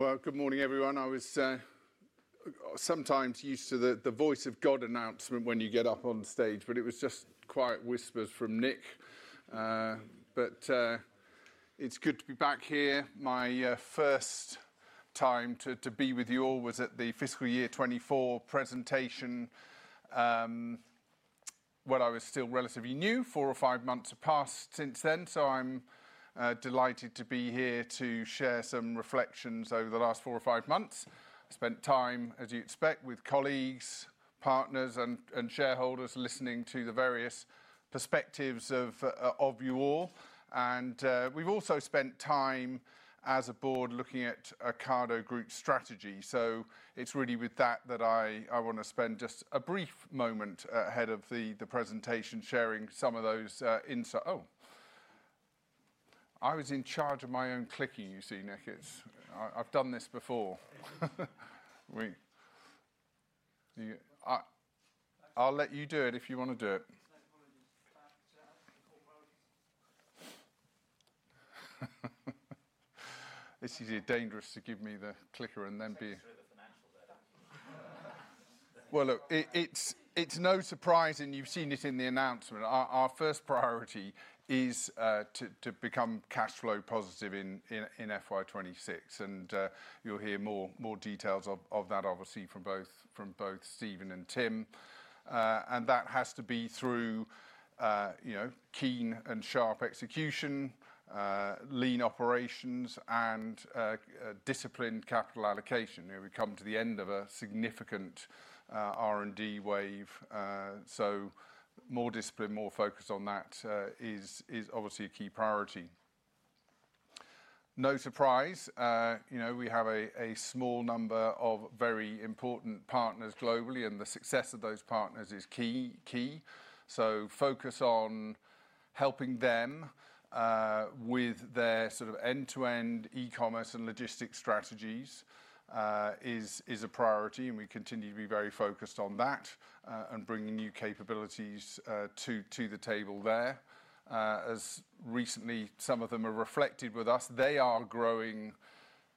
Well, good morning, everyone. I was sometimes used to the the voice of God announcement when you get up on stage, but it was just quiet whispers from Nick. But it's good to be back here. My first time to to be with you all was at the fiscal year twenty four presentation, when I was still relatively new. Four or five months have passed since then, so I'm delighted to be here to share some reflections over the last four or five months. Spent time, as you expect, with colleagues, partners, and and shareholders listening to the various perspectives of of you all. And, we've also spent time as a board looking at Ocado Group strategy. So it's really with that that I I wanna spend just a brief moment ahead of the the presentation sharing some of those, insights. Oh, I was in charge of my own clicking, you see, Nick. I've done this before. I'll let you do it if you want to do it. It's dangerous to give me the clicker and then be Well, it's no surprise, and you've seen this in the announcement, our first priority is to become cash flow positive in FY 2026, and you'll hear more details of that obviously from both Stephen and Tim. And that has to be through keen and sharp execution, lean operations and disciplined capital allocation. We've come to the end of a significant R and D wave, so more discipline, more focus on that is obviously a key priority. No surprise, we have a small number of very important partners globally and the success of those partners is key, So focus on helping them with their sort of end to end e commerce and logistics strategies is a priority and we continue to be very focused on that and bringing new capabilities to the table there. As recently some of them are reflected with us, they are growing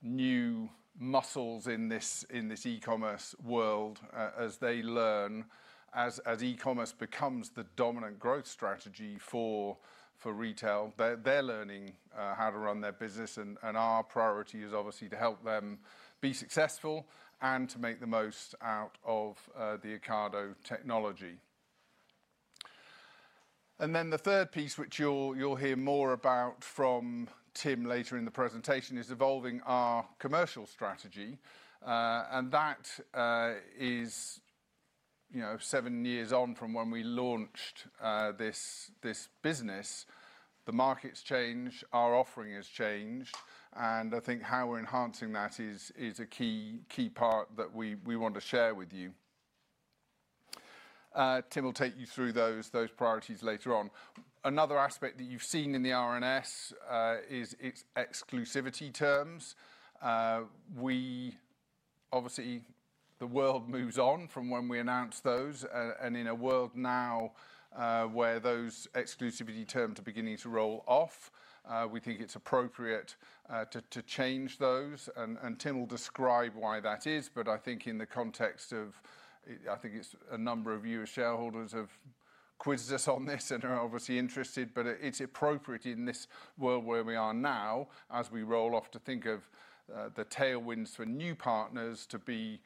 new muscles in this e commerce world as they learn, as e commerce becomes the dominant growth strategy for retail, they're learning, how to run their business and our priority is obviously to help them be successful and to make the most out of, the Ocado technology. And then the third piece, which you'll hear more about from Tim later in the presentation, is evolving our commercial strategy, and that is seven years on from when we launched this business. The market has changed, our offering has changed and I think how we're enhancing that is a key part that we want to share with you. Tim will take you through those priorities later on. Another aspect that you've seen in the RNS is its exclusivity terms. We obviously, the world moves on from when we announced those and in a world now, where those exclusivity terms are beginning to roll off, we think it's appropriate, to change those Tim will describe why that is, but I think in the context of I think a number of you as shareholders have quizzed us on this and are obviously interested, but it's appropriate in this world where we are now as we roll off to think of the tailwinds for new partners to be,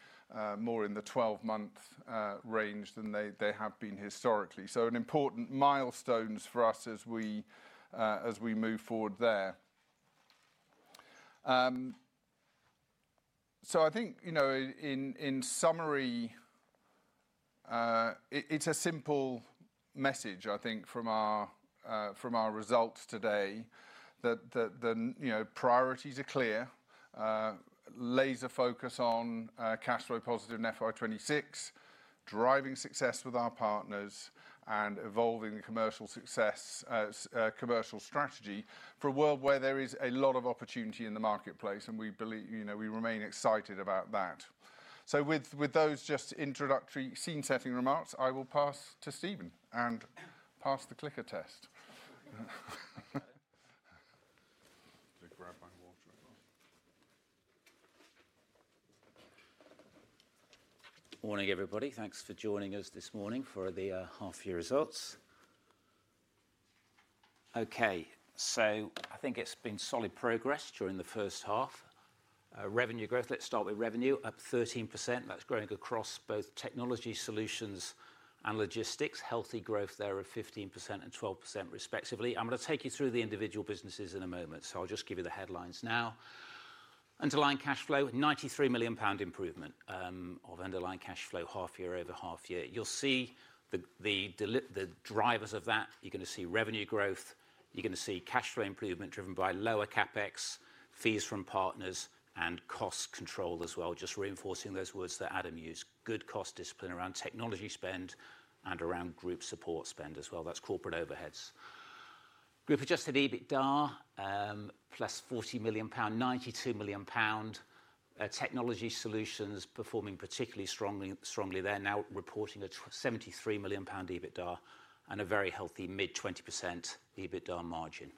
more in the twelve month, range than they have been historically. So an important milestone for us as we move forward there. So I think in summary, it's a simple message I think from our results today that the priorities are clear, laser focus on cash flow positive in FY 2026, driving success with our partners and evolving the commercial success as commercial strategy for a world where there is a lot of opportunity in the market marketplace and we remain excited about that. With those just introductory scene setting remarks, I will pass to Stephen and pass the clicker test. Morning, everybody. Thanks for joining us this morning for the half year results. Okay. So I think it's been solid progress during the first half. Revenue growth, let's start with revenue, up 13%. That's growing across both Technology Solutions and Logistics, healthy growth there of 1512%, respectively. I'm going take you through the individual businesses in a moment. So I'll just give you the headlines now. Underlying cash flow, 93,000,000 improvement, of underlying cash flow half year over half year. You'll see the drivers of that. You're going to see revenue growth. You're going to see cash flow improvement driven by lower CapEx, fees from partners and cost control as well, just reinforcing those words that Adam used, good cost discipline around technology spend and around group support spend as well. That's corporate overheads. Group adjusted EBITDA, plus 40,000,000 pound, 92,000,000 pound. Technology Solutions performing particularly strongly. They're now reporting a £73,000,000 EBITDA and a very healthy mid-twenty percent EBITDA margin.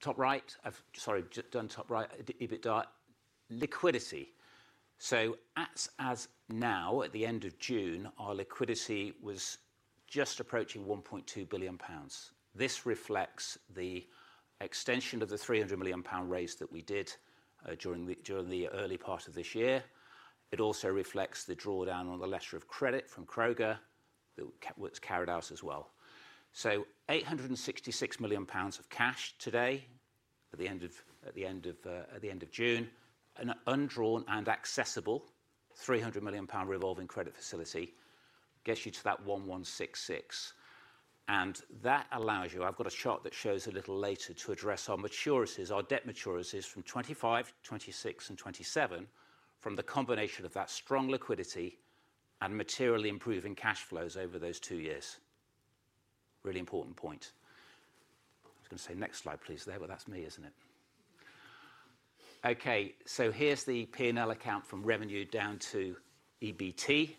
Top right, I've sorry, just done top right, EBITDA. Liquidity. So as of now, at the June, our liquidity was just approaching 1,200,000,000.0 pounds. This reflects the extension of the 300,000,000 pound raise that we did during the early part of this year. It also reflects the drawdown on the letter of credit from Kroger that was carried out as well. So GBP $866,000,000 of cash today at the June, an undrawn and accessible £300,000,000 revolving credit facility gets you to that one +1 66. And that allows you I've got a chart that shows a little later to address our maturities, our debt maturities from '25, 2026 and 2027 from the combination of that strong liquidity and materially improving cash flows over those two years. Really important point. I was going to say next slide please there. Well, that's me, isn't it? Okay. So here's the P and L account from revenue down to EBT.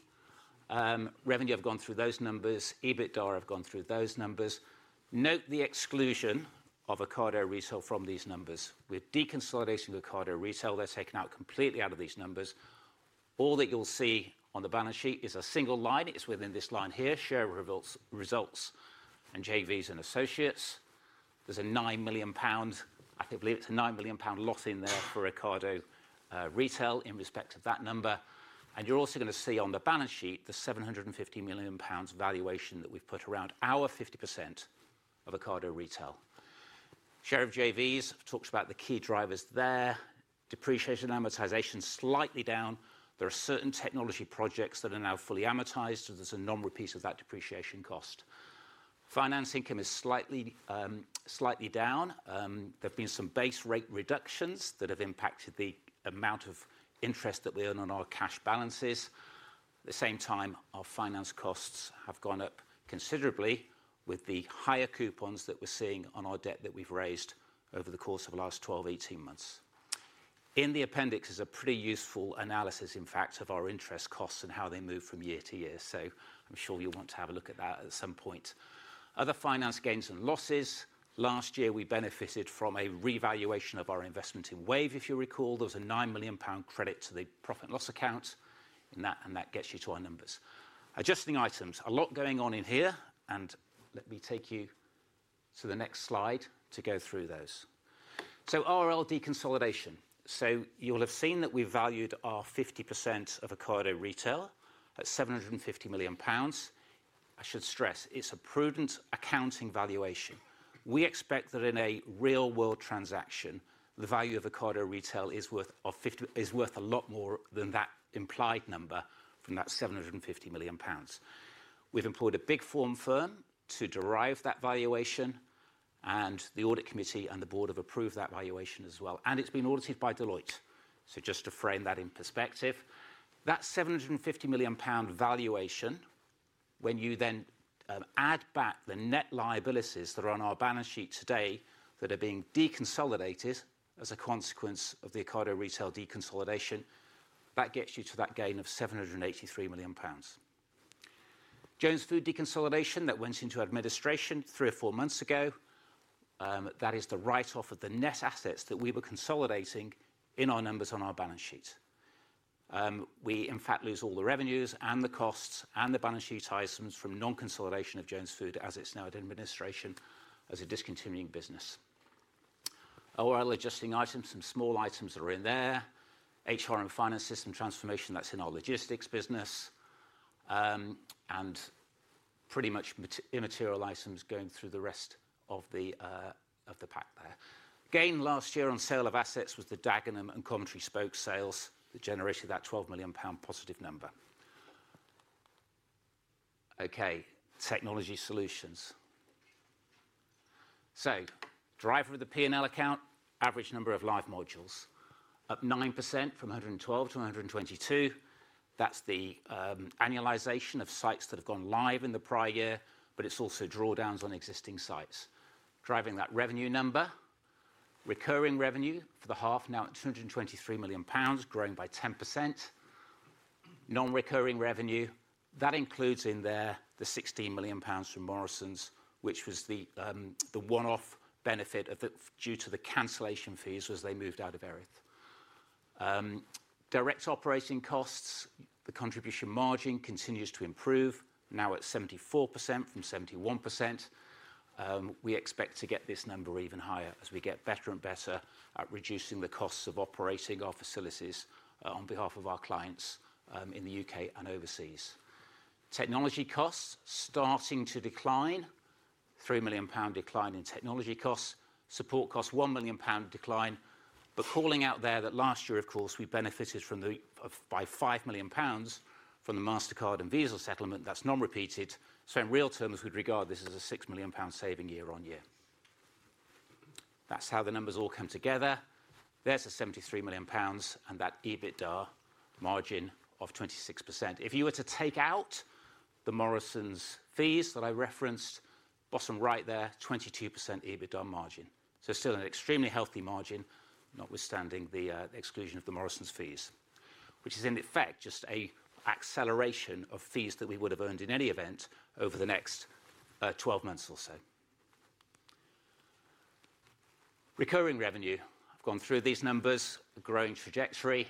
Revenue have gone through those numbers. EBITDA have gone through those numbers. Note the exclusion of Ocado Retail from these numbers. We're deconsolidation of Ocado Retail. They're taken out completely out of these numbers. All that you'll see on the balance sheet is a single line. It's within this line here, share results and JVs and associates. There's a £9,000,000 actively, it's a £9,000,000 loss in there for Ocado, Retail in respect of that number. And you're also going to see on the balance sheet the £750,000,000 valuation that we've put around our 50% of Ocado Retail. Share of JVs, I've talked about the key drivers there. Depreciation and amortization slightly down. There are certain technology projects that are now fully amortized, so there's a non repeat of that depreciation cost. Finance income is slightly down. There have been some base rate reductions that have impacted the amount of interest that we earn on our cash balances. At the same time, our finance costs have gone up considerably with the higher coupons that we're seeing on our debt that we've raised over the course of the last twelve, eighteen months. In the appendix is a pretty useful analysis in fact of our interest costs and how they move from year to year. So I'm sure you'll want to have a look at that at some point. Other finance gains and losses. Last year, we benefited from a revaluation of our investment in WAVE. If you recall, there was a 9,000,000 pound credit to the profit and loss account in that, and that gets you to our numbers. Adjusting items, a lot going on in here, and let me take you to the next slide to go through those. So RRL deconsolidation. So you'll have seen that we valued our 50% of Ocado Retail at GBP $750,000,000. I should stress, it's a prudent accounting valuation. We expect that in a real world transaction, the value of Ocado Retail is worth of 50 is worth a lot more than that implied number from that £750,000,000. We've employed a big form firm to derive that valuation, and the audit committee and the board have approved that valuation as well. And it's been audited by Deloitte. So just to frame that in perspective, that £750,000,000 valuation, when you then, add back the net liabilities that are on our balance sheet today that are being deconsolidated as a consequence of the Ocado retail deconsolidation, that gets you to that gain of GBP $783,000,000. Jones Food deconsolidation that went into administration three or four months ago, that is the write off of the net assets that we were consolidating in our numbers on our balance sheet. We, in fact, lose all the revenues and the costs and the balance sheet items from nonconsolidation of Jones Food as it's now in administration as a discontinuing business. ORL adjusting items, some small items that are in there. HR and finance system transformation, that's in our logistics business. And pretty much immaterial items going through the rest of the pack there. Gain last year on sale of assets was the Dagenham and Commentary Spoke sales that generated that £12,000,000 positive number. Okay. Technology Solutions. So driver of the P and L account, average number of live modules, up 9% from 112 to 122. That's the, annualization of sites that have gone live in the prior year, but it's also drawdowns on existing sites. Driving that revenue number, recurring revenue for the half now at GBP $223,000,000, growing by 10%. Nonrecurring revenue, that includes in there the 16,000,000 pounds from Morrisons, which was the, the one off benefit of the due to the cancellation fees as they moved out of Erith. Direct operating costs, the contribution margin continues to improve, now at 74% from 71%. We expect to get this number even higher as we get better and better at reducing the costs of operating our facilities on behalf of our clients in The U. K. And overseas. Technology costs starting to decline, pounds 3,000,000 decline in technology costs. Support costs, 1,000,000 decline. But calling out there that last year, of course, we benefited from the by £5,000,000 from the Mastercard and Visa settlement. That's nonrepeated. In real terms, we'd regard this as a £6,000,000 saving year on year. That's how the numbers all come together. There's a £73,000,000 and that EBITDA margin of 26%. If you were to take out the Morrisons fees that I referenced, bottom right there, 22% EBITDA margin. So still an extremely healthy margin notwithstanding the, exclusion of the Morrisons fees, which is in effect just a acceleration of fees that we would have earned in any event over the next, twelve months or so. Recurring revenue. I've gone through these numbers, a growing trajectory.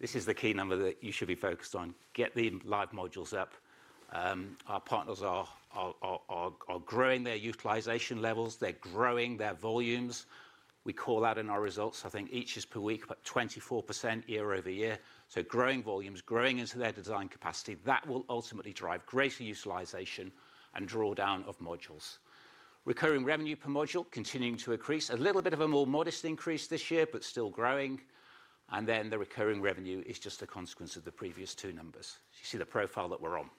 This is the key number that you should be focused on, get the live modules up. Our partners are growing their utilization levels. They're growing their volumes. We call that in our results, I think, each is per week, about 24% year over year. So growing volumes, growing into their design capacity, that will ultimately drive greater utilization and drawdown of modules. Recurring revenue per module continuing to increase, a little bit of a more modest increase this year but still growing. And then the recurring revenue is just a consequence of the previous two numbers. You see the profile that we're on.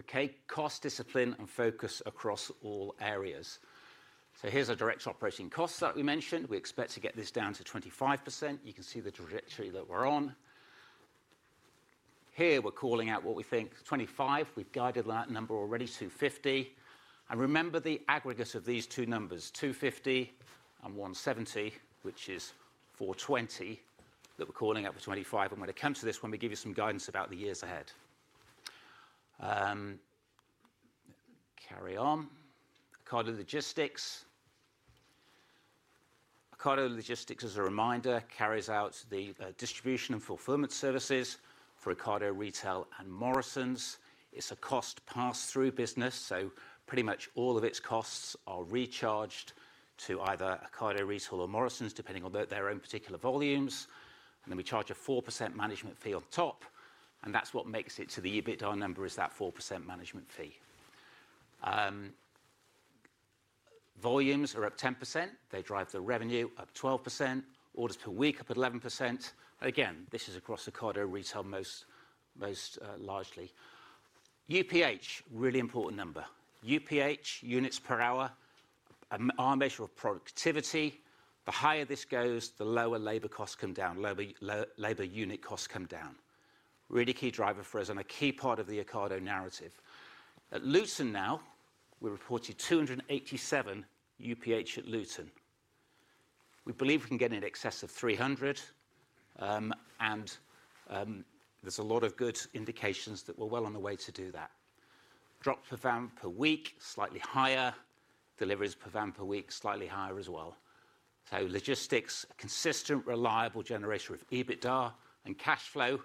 Okay. Cost discipline and focus across all areas. So here's our direct operating costs that we mentioned. We expect to get this down to 25%. You can see the trajectory that we're on. Here, we're calling out what we think 25%. We've guided that number already, two fifty. And remember the aggregates of these two numbers, February 170, which is four twenty that we're calling out for '25. And when it comes to this, let me give you some guidance about the years ahead. Carry on. Ocado Logistics. Ocado Logistics, as a reminder, carries out the distribution and fulfillment services for Ocado Retail and Morrisons. It's a cost pass through business, so pretty much all of its costs are recharged to either Ocado Retail or Morrisons depending on their own particular volumes. And then we charge a 4% management fee on top, and that's what makes it to the EBITDA number is that 4% management fee. Volumes are up 10%. They drive the revenue up 12%. Orders per week up 11%. And again, this is across Ocado Retail most, largely. UPH, really important number. UPH, units per hour, our measure of productivity, the higher this goes, the lower labor costs come down, lower labor unit costs come down, Really key driver for us and a key part of the Ocado narrative. At Luton now, we reported 287 UPH at Luton. We believe we can get in excess of 300, and there's a lot of good indications that we're well on the way to do that. Drop per per week, slightly higher. Deliveries per van per week, slightly higher as well. So logistics, consistent, reliable generation of EBITDA and cash flow,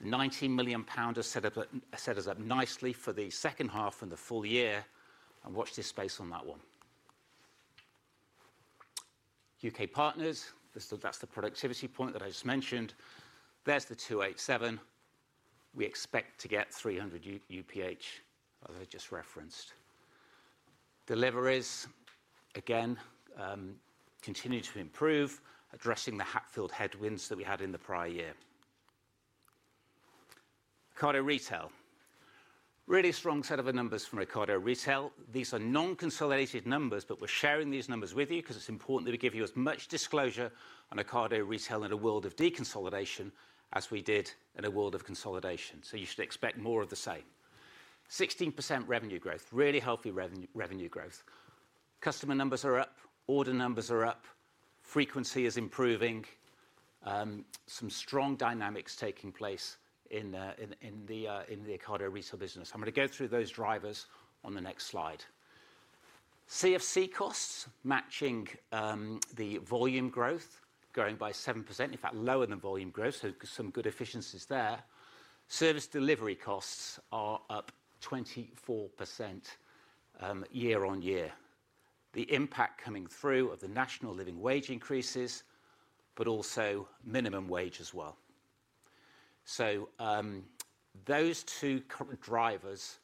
pounds 19,000,000 has set us up nicely for the second half and the full year, and watch this space on that one. U. K. Partners, that's the productivity point that I just mentioned. There's the two eighty seven. We expect to get 300 UPH that I just referenced. Deliveries, again, continue to improve, addressing the Hatfield headwinds that we had in the prior year. Ocado Retail. Really strong set of numbers from Ocado Retail. These are nonconsolidated numbers, but we're sharing these numbers with you because it's important that we give you as much disclosure on Ocado Retail in a world of deconsolidation as we did in a world of consolidation. So you should expect more of the same. 16% revenue growth, really healthy revenue growth. Customer numbers are up. Order numbers are up. Frequency is improving. Some strong dynamics taking place in the Ocado Retail business. I'm going go through those drivers on the next slide. CFC costs matching, the volume growth, growing by seven percent, in fact, lower than volume growth, so some good efficiencies there. Service delivery costs are up 24%, year on year. The impact coming through of the national living wage increases, but also minimum wage as well. So, those two current drivers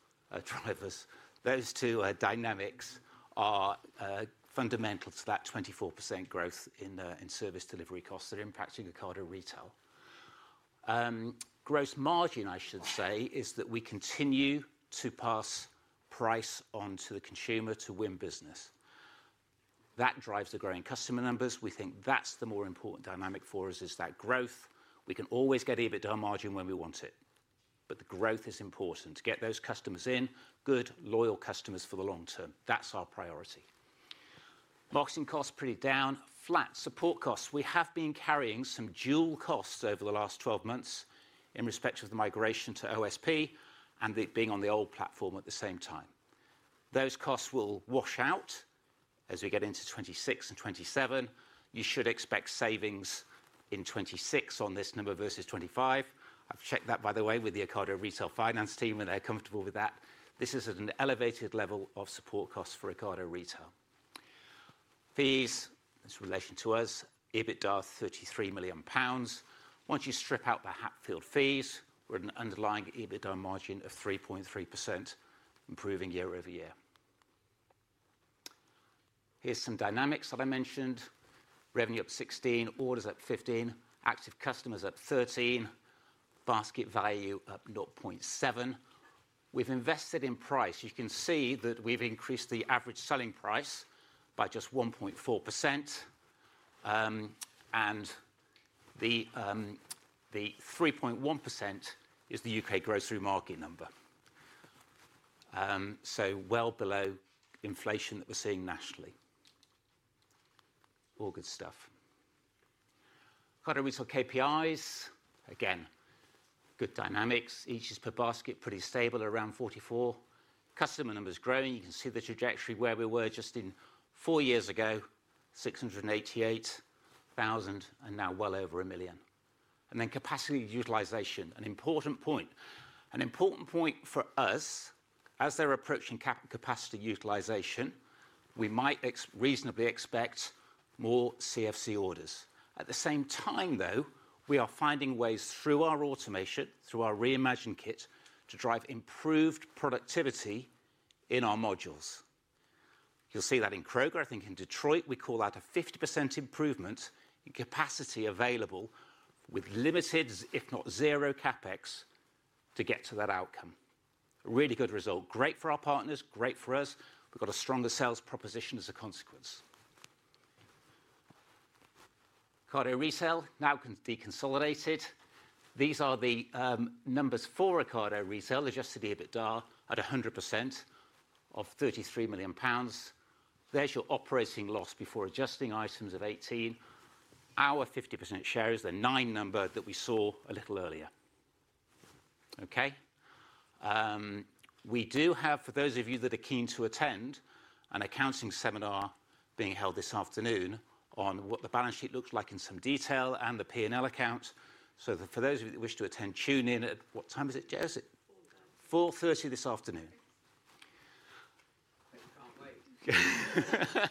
drivers, those two dynamics are fundamental to that 24% growth in service delivery costs that are impacting Ocado Retail. Gross margin, I should say, is that we continue to pass price on to the consumer to win business. That drives the growing customer numbers. We think that's the more important dynamic for us is that growth. We can always get EBITDA margin when we want it, but the growth is important to get those customers in, good, loyal customers for the long term. That's our priority. Marketing costs, pretty down, flat. Support costs, we have been carrying some dual costs over the last twelve months in respect of the migration to OSP and it being on the old platform at the same time. Those costs will wash out as we get into 2026 and 2027. You should expect savings in 2026 on this number versus 2025. I've checked that, by the way, with the Ocado Retail finance team when they're comfortable with that. This is at an elevated level of support costs for Ocado Retail. Fees, in relation to us, EBITDA of £33,000,000 Once you strip out the Hatfield fees, we're at an underlying EBITDA margin of 3.3%, improving year over year. Here's some dynamics that I mentioned. Revenue up 16%, orders up 15%, active customers up 13%, basket value up 0.7 We've invested in price. You can see that we've increased the average selling price by just 1.4%, and the 3.1% is The UK grocery market number. So well below inflation that we're seeing nationally. All good stuff. Card and retail KPIs, again, good dynamics. Each is per basket, pretty stable around 44. Customer number is growing. You can see the trajectory where we were just in four years ago, six and eighty eight thousand and now well over £1,000,000 And then capacity utilization, an important point. An important point for us as they're approaching capacity utilization, we might reasonably expect more CFC orders. At the same time though, we are finding ways through our automation, through our reimagine kit to drive improved productivity in our modules. You'll see that in Kroger. I think in Detroit, we call that a 50% improvement in capacity available with limited, if not zero, CapEx to get to that outcome. Really good result. Great for our partners, great for us. We've got a stronger sales proposition as a consequence. Cardo resale now deconsolidated. These are the, numbers for Cardo resale, adjusted EBITDA at 100% of 33,000,000 pounds. There's your operating loss before adjusting items of 2018. Our 50% share is the 9% number that we saw a little earlier. Okay? We do have, for those of you that are keen to attend, an accounting seminar being held this afternoon on what the balance sheet looks like in some detail and the p and l account. So for those of you that wish to attend, tune in at what time is it? 04:30 this afternoon. I can't wait.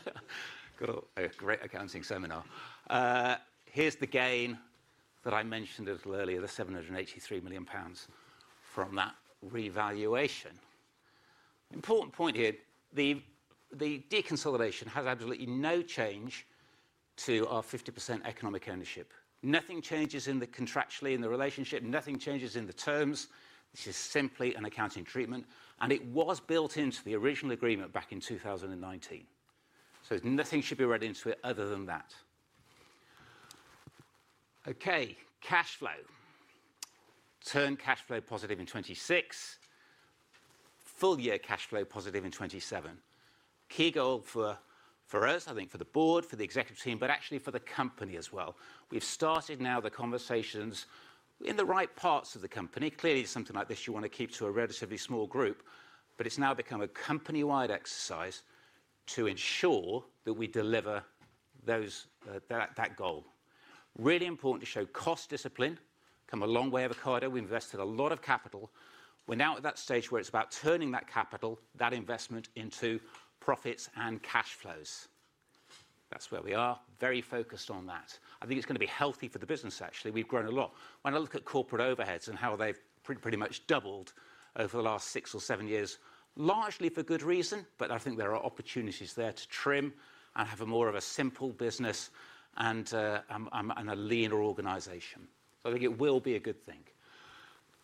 Cool. A great accounting seminar. Here's the gain that I mentioned a little earlier, the £783,000,000 from that revaluation. Important point here, the deconsolidation has absolutely no change to our 50% economic ownership. Nothing changes in the contractually in the relationship. Nothing changes in the terms. This is simply an accounting treatment, and it was built into the original agreement back in 2019. So nothing should be read into it other than that. Okay. Cash flow. Turned cash flow positive in '26. Full year cash flow positive in '27. Key goal for for us, I think for the board, for the executive team, but actually for the company as well. We've started now the conversations in the right parts of the company. Clearly, something like this you wanna keep to a relatively small group, but it's now become a company wide exercise to ensure that we deliver those, that that goal. Really important to show cost discipline, come a long way of Ocado. We invested a lot of capital. We're now at that stage where it's about turning that capital, that investment into profits and cash flows. That's where we are. Very focused on that. I think it's gonna be healthy for the business, actually. We've grown a lot. When I look at corporate overheads and how they've pretty much doubled over the last six or seven years, largely for good reason, but I think there are opportunities there to trim and have a more of a simple business and a leaner organization. I think it will be a good thing.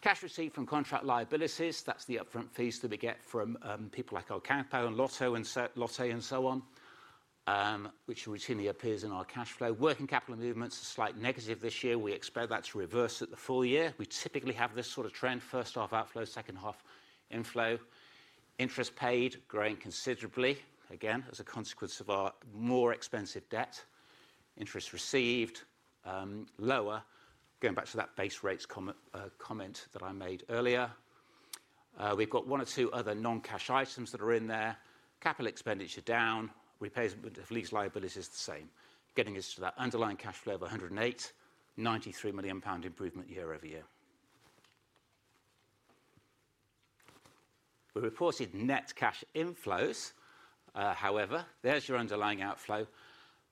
Cash received from contract liabilities, that's the upfront fees that we get from, people like our Capo and Lotto and Lotto and so on, which routinely appears in our cash flow. Working capital movements, a slight negative this year. We expect that to reverse at the full year. We typically have this sort of trend, first half outflow, second half inflow. Interest paid, growing considerably, again, as a consequence of our more expensive debt. Interest received, lower, going back to that base rates comment that I made earlier. We've got one or two other noncash items that are in there. Capital expenditure down. Repays with lease liabilities the same, getting us to that underlying cash flow of £108,000,000 £93,000,000 improvement year over year. We reported net cash inflows. However, there's your underlying outflow.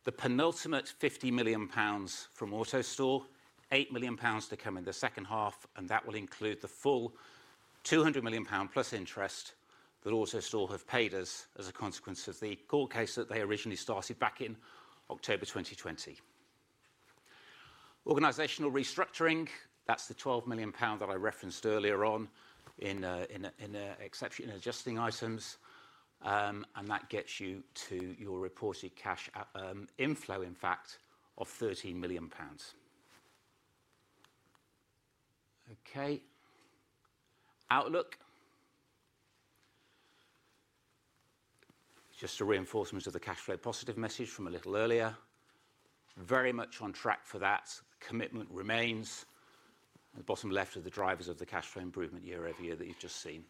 The penultimate £50,000,000 from AutoStore, pounds 8,000,000 to come in the second half, and that will include the full £200,000,000 plus interest that AutoStore have paid us as a consequence of the court case that they originally started back in October 2020. Organizational restructuring, that's the 12,000,000 pound that I referenced earlier on in exception adjusting items, and that gets you to your reported cash inflow, in fact, of 13,000,000. Okay. Outlook. Just a reinforcement of the cash flow positive message from a little earlier. Very much on track for that. Commitment remains. The bottom left are the drivers of the cash flow improvement year over year that you've just seen.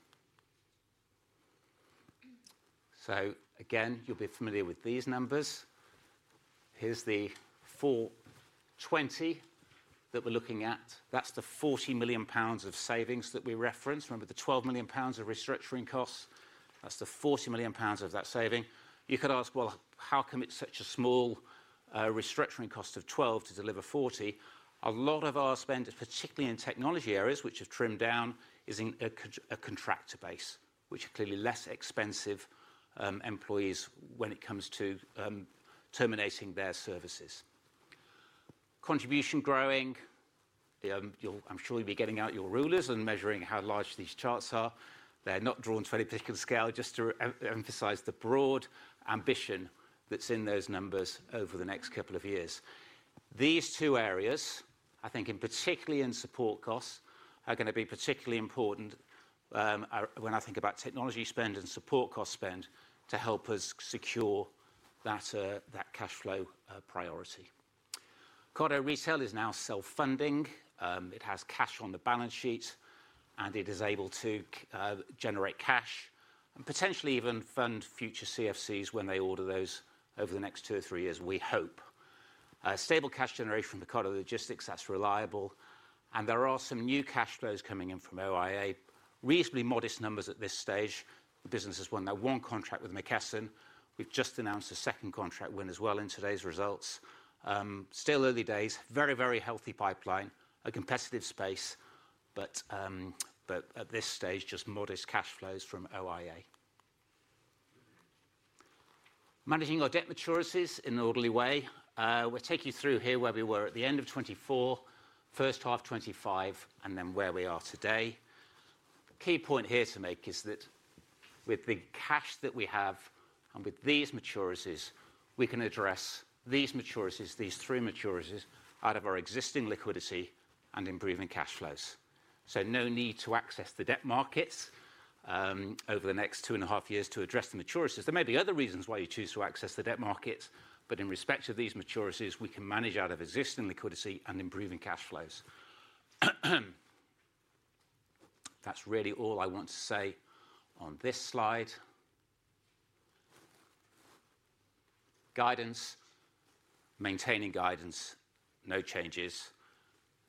So again, you'll be familiar with these numbers. Here's the $420,000,000 that we're looking at. That's the £40,000,000 of savings that we referenced. Remember, £12,000,000 of restructuring costs, that's the £40,000,000 of that saving. You could ask, well, how come it's such a small, restructuring cost of £12,000,000 to deliver 40,000,000 A lot of our spend, particularly in technology areas, have trimmed down, is in a contractor base, which are clearly less expensive, employees when it comes to, terminating their services. Contribution growing. You'll I'm sure you'll be getting out your rulers and measuring how large these charts are. They're not drawn to any particular scale, just to emphasize the broad ambition that's in those numbers over the next couple of years. These two areas, I think, and particularly in support costs, are going to be particularly important when I think about technology spend and support cost spend to help us secure that cash flow priority. Cardo Retail is now self funding. It has cash on the balance sheet, and it is able to, generate cash and potentially even fund future CFCs when they order those over the next two or three years, we hope. Stable cash generation from the Cotto Logistics, that's reliable. And there are some new cash flows coming in from OIA, reasonably modest numbers at this stage. The business has won their one contract with McKesson. We've just announced a second contract win as well in today's results. Still early days, very, very healthy pipeline, a competitive space, but at this stage, just modest cash flows from OIA. Managing our debt maturities in an orderly way. We'll take you through here where we were at the end of twenty twenty four, first half twenty five and then where we are today. The key point here to make is that with the cash that we have and with these maturities, we can address these maturities, these three maturities out of our existing liquidity and improving cash flows. So no need to access the debt markets, over the next two point five years to address the maturities. There may be other reasons why you choose to access the debt markets. But in respect of these maturities, we can manage out of existing liquidity and improving cash flows. That's really all I want to say on this slide. Guidance, maintaining guidance, no changes,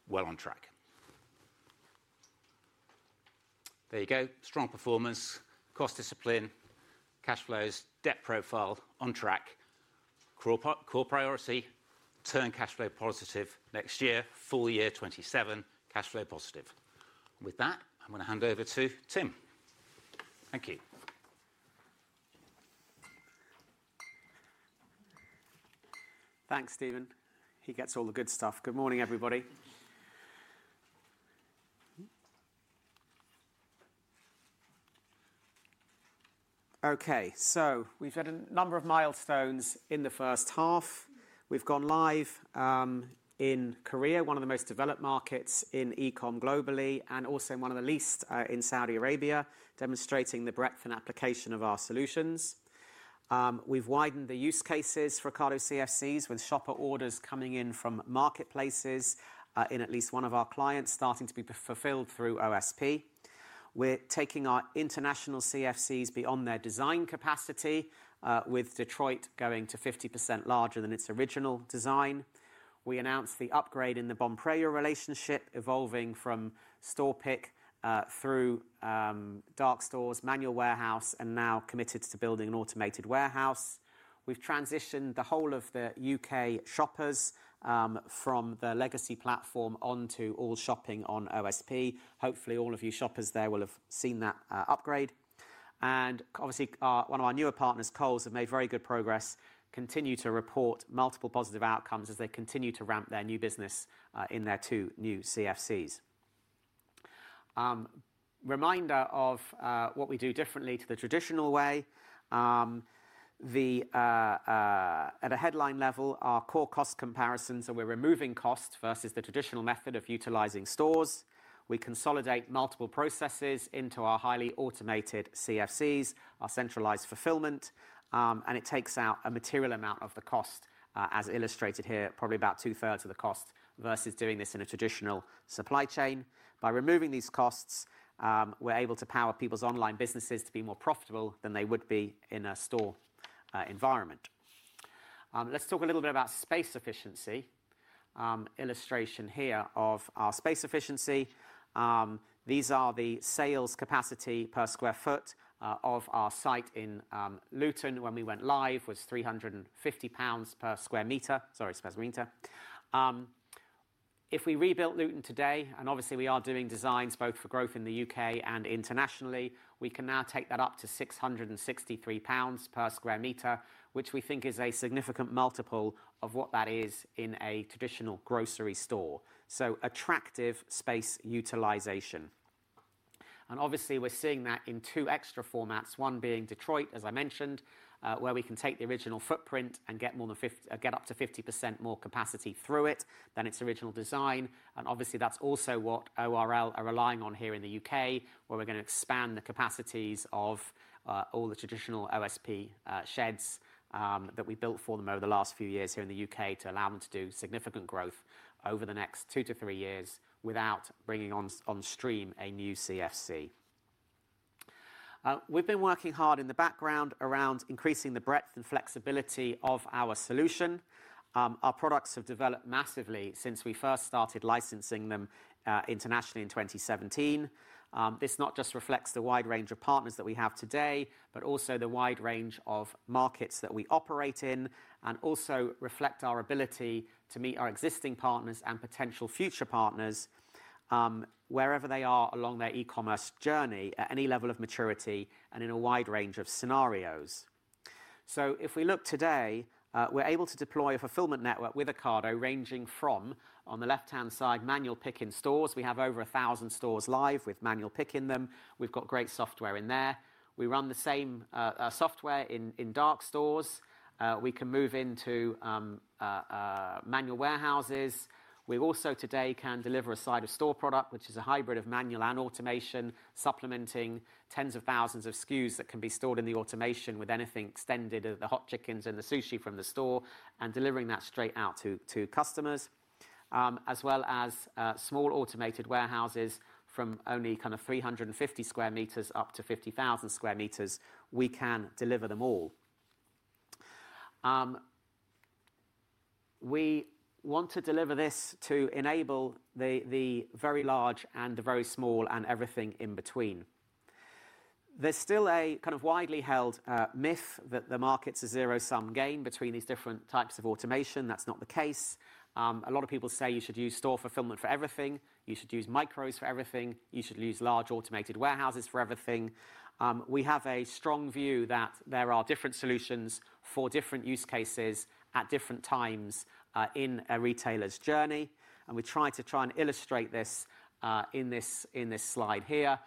well on track. There you go, strong performance, cost discipline, cash flows, debt profile on track. Core priority, turn cash flow positive next year, full year 2027 cash flow positive. With that, I'm going to hand over to Tim. Thank you. Thanks, Stephen. He gets all the good stuff. Good morning, everybody. Okay. So we've had a number of milestones in the first half. We've gone live, in Korea, one of the most developed markets in e com globally, and also one of the least, in Saudi Arabia, demonstrating the breadth and application of our solutions. We've widened the use cases for Ocado CFCs with shopper orders coming in from marketplaces, in at least one of our clients starting to be fulfilled through OSP. We're taking our international CFCs beyond their design capacity with Detroit going to 50% larger than its original design. We announced the upgrade in the Bon Praia relationship evolving from store pick through dark stores, manual warehouse and now committed to building an automated warehouse. We've transitioned the whole of The UK shoppers from the legacy platform onto all shopping on OSP. Hopefully, all of you shoppers there will have seen that, upgrade. And obviously, one of our newer partners, Coles, have made very good progress, continue to report multiple positive outcomes as they continue to ramp their new business, in their two new CFCs. Reminder of, what we do differently to the traditional way. The at a headline level, our core cost comparisons are we're removing costs versus the traditional method of utilizing stores. We consolidate multiple processes into our highly automated CFCs, our centralized fulfillment, and it takes out a material amount of the cost, as illustrated here, probably about two thirds of the cost versus doing this in a traditional supply chain. By removing these costs, we're able to power people's online businesses to be more profitable than they would be in a store, environment. Let's talk a little bit about space efficiency. Illustration here of our space efficiency. These are the sales capacity per square foot, of our site in, Luton when we went live was £350 per square meter. Sorry, spasmeter. If we rebuilt Luton today and obviously we are doing designs both growth in The UK and internationally, we can now take that up to £663 per square meter, which we think is a significant multiple of what that is in a traditional grocery store. So attractive space utilization. And obviously, we're seeing that in two extra formats. One being Detroit, as I mentioned, where we can take the original footprint and get more than get up to 50 more capacity through it than its original design. And obviously, that's also what ORL are relying on here in The UK. We're going to expand the capacities of, all the traditional OSP, sheds, that we built for them over the last few years here in The UK to allow them to do significant growth over the next two to three years without bringing on stream a new CFC. We've been working hard in the background around increasing the breadth and flexibility of our solution. Our products have developed massively since we first started licensing them, internationally in 2017. This not just reflects the wide range of partners that we have today, but also the wide range of markets that we operate in, and also reflect our ability to meet our existing partners and potential future partners wherever they are along their e commerce journey at any level of maturity and in a wide range of scenarios. So if we look today, we're able to deploy a fulfillment network with Ocado ranging from, on the left hand side, manual pick in stores. We have over a thousand stores live with manual pick in them. We've got great software in there. We run the same, software in in dark stores. We can move into, manual warehouses. We also today can deliver a side of store product, which is a hybrid of manual and automation supplementing tens of thousands of SKUs that can be stored in the automation with anything extended of the hot chickens and the sushi from the store and delivering that straight out to customers, as well as, small automated warehouses from only kind of three fifty square meters up to 50,000 square meters, we can deliver them all. We want to deliver this to enable the the very large and the very small and everything in between. There's still a kind of widely held, myth that the market's a zero sum game between these different types of automation. That's not the case. A lot of people say you should use store fulfillment for everything. You should use micros for everything. You should use large automated warehouses for everything. We have a strong view that there are different solutions for different use cases at different times, in a retailer's journey. And we try to try and illustrate this, in this slide here.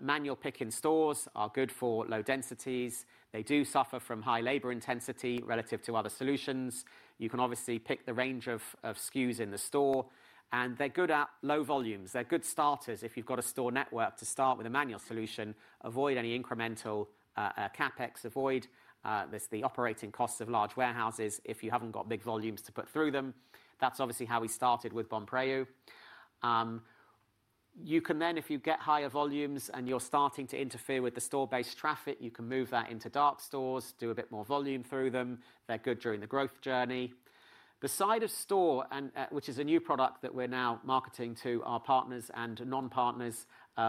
Manual pick in stores are good for low densities. They do suffer from high labor intensity relative to other solutions. You can obviously pick the range of SKUs in the store. And they're good at low volumes. They're good starters if you've got a store network to start with a manual solution. Avoid any incremental, CapEx. Avoid the operating costs of large warehouses if you haven't got big volumes to put through them. That's obviously how we started with Bon Preo. You can then if you get higher volumes and you're starting to interfere with the store based traffic, can move that into dark stores, do a bit more volume through them, they're good during the growth journey. Beside of store and, which is a new product that we're now marketing to our partners and non partners,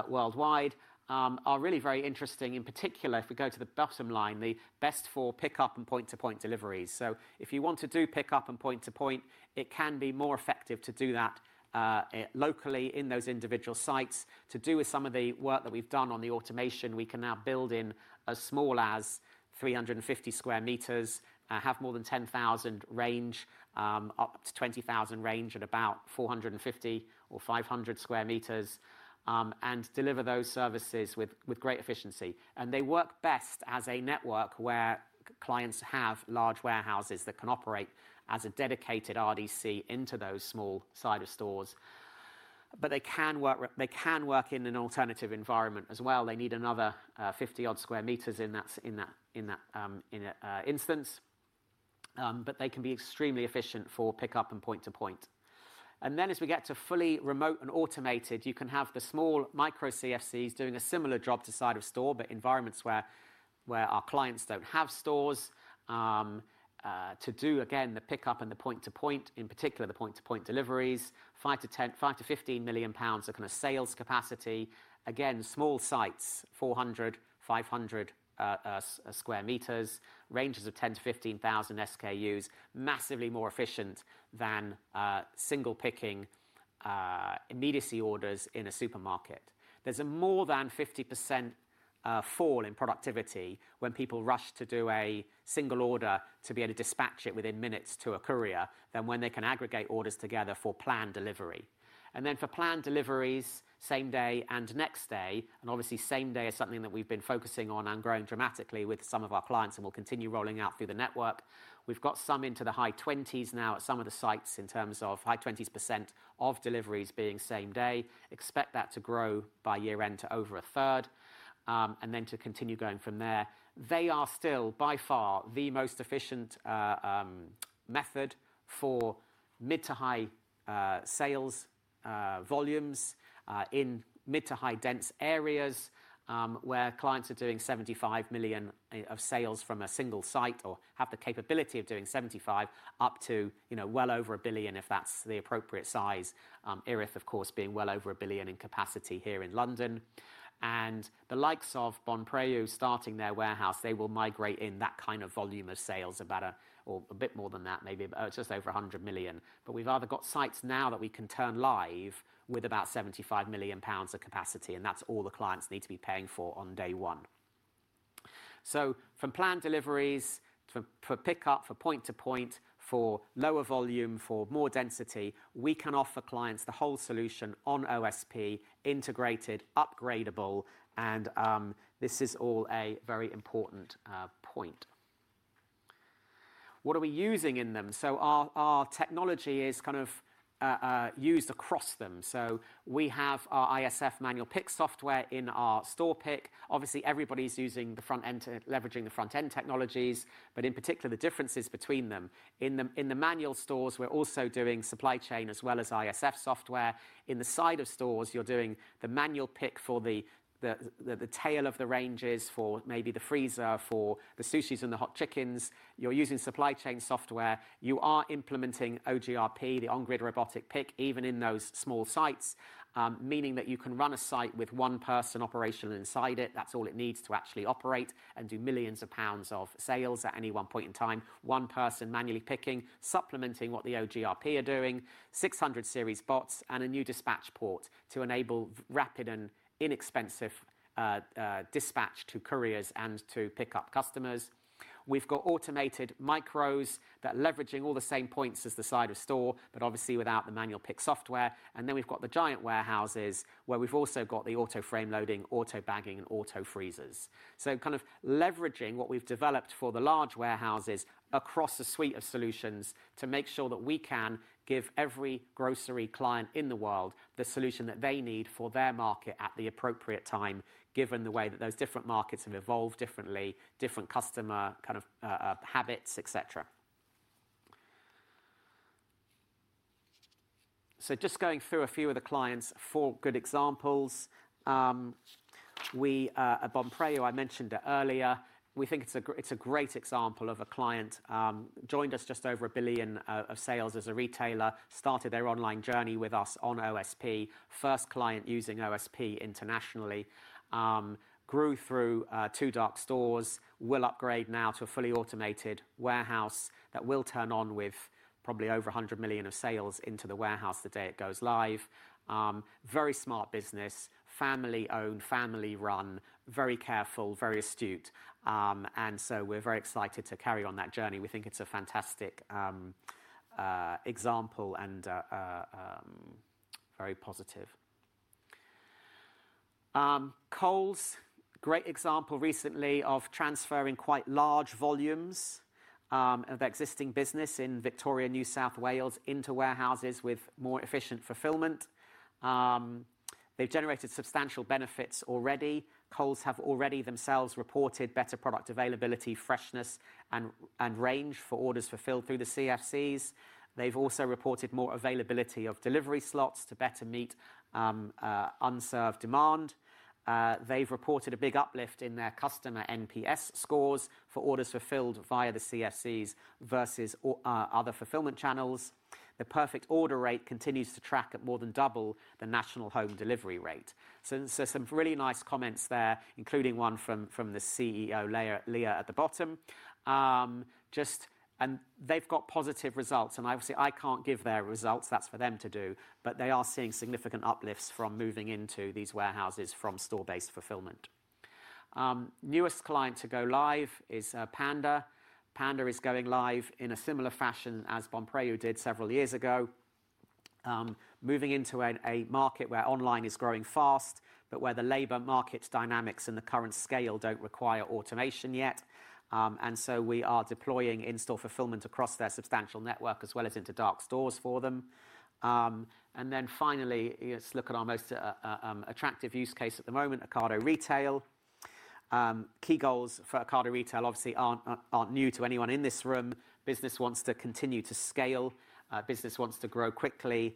worldwide, are really very interesting in particular if we go to the bottom line, the best for pickup and point to point deliveries. So if you want to do pickup and point to point, it can be more effective to do that, locally in those individual sites to do with some of the work that we've done on the automation. We can now build in as small as three fifty square meters, have more than 10,000 range, up to 20,000 range at about four fifty or 500 square meters, and deliver those services with great efficiency. And they work best as a network where clients have large warehouses that can operate as a dedicated RDC into those small side of stores. But they can work in an alternative environment as well. They need another, 50 odd square meters in that instance, but they can be extremely efficient for pickup and point to point. And then as we get to fully remote and automated, you can have the small micro CFCs doing a similar job to side of store, but environments where where our clients don't have stores to do again the pickup and the point to point, in particular the point to point deliveries, five to ten, five to 15,000,000 pounds of kind of sales capacity, again small sites 400, 500 square meters, ranges of 10,000 to 15,000 SKUs, massively more efficient than, single picking, immediacy orders in a supermarket. There's a more than 50%, fall in productivity when people rush to do a single order to be able to dispatch it within minutes to a courier than when they can aggregate orders together for planned delivery. And then for planned deliveries, same day and next day and obviously same day is something that we've been focusing on and growing dramatically with some of our clients and will continue rolling out through the network. We've got some into the high 20s now at some of the sites in terms of high 20s percent of deliveries being same day. Expect that to grow by year end to over a third, and then to continue going from there. They are still by far the most efficient, method for mid to high, sales, volumes, in mid to high dense areas where clients are doing 75,000,000 of sales from a single site or have the capability of doing 75 up to well over 1,000,000,000 if that's the appropriate size. Irith, of course, being well over 1,000,000,000 in capacity here in London. And the likes of Bon Preux starting their warehouse, they will migrate in that kind of volume of sales about a or a bit more than that, maybe just over £100,000,000 But we've either got sites now that we can turn live with about £75,000,000 capacity, and that's all the clients need to be paying for on day one. So from planned deliveries, for pickup, for point to point, for lower volume, for more density, we can offer clients the whole solution on OSP, integrated, upgradable, and, this is all a very important, point. What are we using in them? So our our technology is kind of, used across them. So we have our ISF manual pick software in our store pick. Obviously, everybody's using the front end leveraging the front end technologies. But in particular, the differences between them. In manual stores, we're also doing supply chain as well as ISF software. In the side of stores, you're doing the manual pick for the tail of the ranges, for maybe the freezer, for the sushis and the hot chickens. You're using supply chain software. You are implementing OGRP, the on grid robotic pick, even in those small sites. Meaning that you can run a site with one person operational inside it. That's all it needs to actually operate, and do millions of pounds of sales at any one point in time. One person manually picking, supplementing what the OGRP are doing, 600 series bots, and a new dispatch port to enable rapid and inexpensive, dispatch to couriers and to pick up customers. We've got automated micros that leveraging all the same points as the side of store, obviously without the manual pick software. And then we've got the giant warehouses where we've also got the auto frame loading, auto bagging, and auto freezers. So kind of leveraging what we've developed for the large warehouses across a suite of solutions to make sure that we can give every grocery client in the world the solution that they need for their market at the appropriate time, given the way that those different markets have evolved differently, different customer of habits, etcetera. So just going through a few of the clients, four good examples. At Bonpreo, I mentioned earlier, think it's a great example of a client, joined us just over a billion of sales as a retailer, started their online journey with us on OSP, first client using OSP internationally, Grew through, two dark stores. We'll upgrade now to a fully automated warehouse that will turn on with probably over 100,000,000 of sales into the warehouse the day it goes live. Very smart business, family owned, family run, very careful, very astute. And so we're very excited to carry on that journey. We think it's a fantastic, example and very positive. Coles, great example recently of transferring quite large volumes, of existing business in Victoria, New South Wales into warehouses with more efficient fulfillment. They've generated substantial benefits already. Coles have already themselves reported better product availability, freshness, and range for orders fulfilled through the CFCs. They've also reported more availability of delivery slots to better meet unserved demand. They've reported a big uplift in their customer NPS scores for orders fulfilled via the CFCs versus, other fulfillment channels. The perfect order rate continues to track at more than double the national home delivery rate. So there's some really nice comments there, including one from from the CEO, Leah at the bottom. Just and they've got positive results. And obviously, I can't give their results. That's for them to do. But they are seeing significant uplifts from moving into these warehouses from store based fulfillment. Newest client to go live is, Panda. Panda is going live in a similar fashion as Bon Preo did several years ago. Moving into a market where online is growing fast, but where the labor market dynamics and the current scale don't require automation yet. And so we are deploying in store fulfillment across their substantial network as well as into dark stores for them. And then finally, let's look at our most, attractive use case at the moment, Ocado Retail. Key goals for Ocado Retail obviously aren't aren't new to anyone in this room. Business wants to continue to scale. Business wants to grow quickly.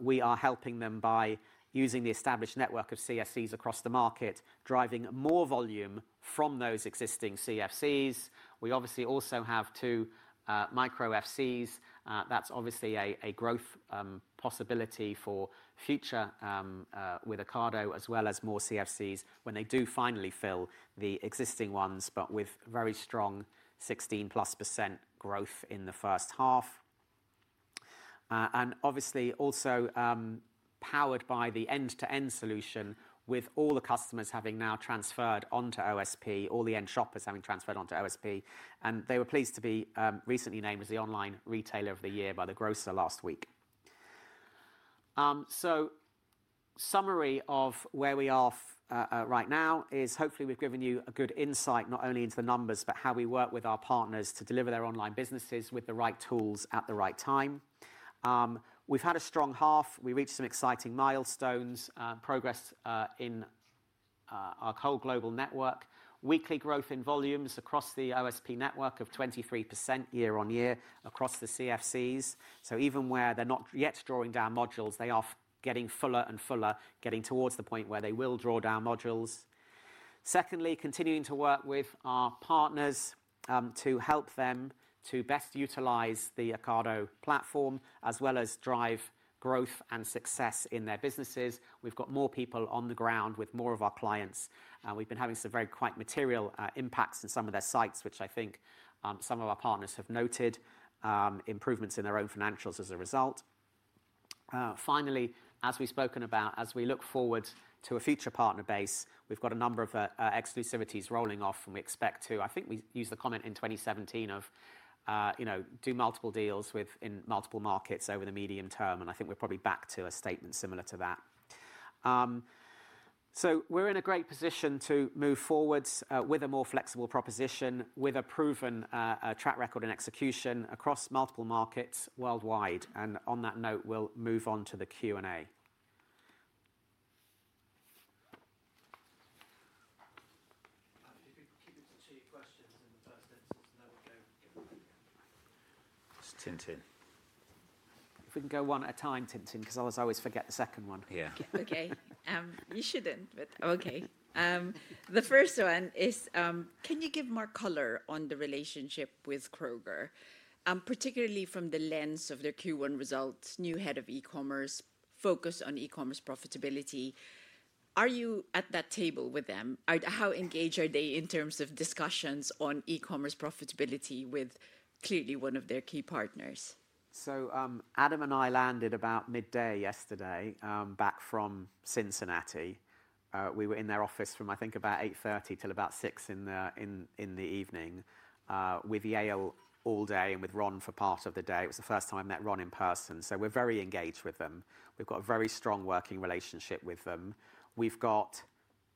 We are helping them by using the established network of CFCs across the market, driving more volume from those existing CFCs. We obviously also have two, micro FCs. That's obviously a growth, possibility for future, with Ocado as well as more CFCs when they do finally fill the existing ones, but with very strong 16 plus percent growth in the first half. And obviously also, powered by the end to end solution with all the customers having now transferred onto OSP, all the end shoppers having transferred onto OSP and they were pleased to be, recently named as the online retailer of the year by the grocer last week. So summary of where we are, right now is hopefully we've given you a good insight not only into the numbers, but how we work with our partners to deliver their online businesses with the right tools at the right time. We've had a strong half. We reached some exciting milestones, progress, in our whole global network. Weekly growth in volumes across the OSP network of 23% year on year across the CFCs. So even where they're not yet drawing down modules, they are getting fuller and fuller getting towards the point where they will draw down modules. Secondly, continuing to work with our partners, to help them to best utilize the Ocado platform, as well as drive growth and success in their businesses. We've got more people on the ground with more of our clients, and we've been having some very quite material, impacts in some of their sites, which I think, some of our partners have noted improvements in their own financials as a result. Finally, as we've spoken about, as we look forward to a future partner base, we've got a number of, exclusivities rolling off and we expect to I think we used the comment in 2017 of, you know, do multiple deals with in multiple markets over the medium term. And I think we're probably back to a statement similar to that. So we're in a great position to move forwards, with a more flexible proposition, with a proven, track record and execution across multiple markets worldwide. And on that note, we'll move on to the Q and A. If we can go one at a time, Tintin, because I always forget the second one. Yes. Okay. You shouldn't, but okay. The first one is, can you give more color on the relationship with Kroger, particularly from the lens of their Q1 results, new Head of Ecommerce, focus on e commerce profitability. Are you at that table with them? How engaged are they in terms of discussions on e commerce profitability with clearly one of their key partners? So Adam and I landed about midday yesterday back from Cincinnati. We were in their office from I think about 08:30 till about six in the in in the evening with Yale all day and with Ron for part of the day. It was the first time I met Ron in person. So we're very engaged with them. We've got a very strong working relationship with them. We've got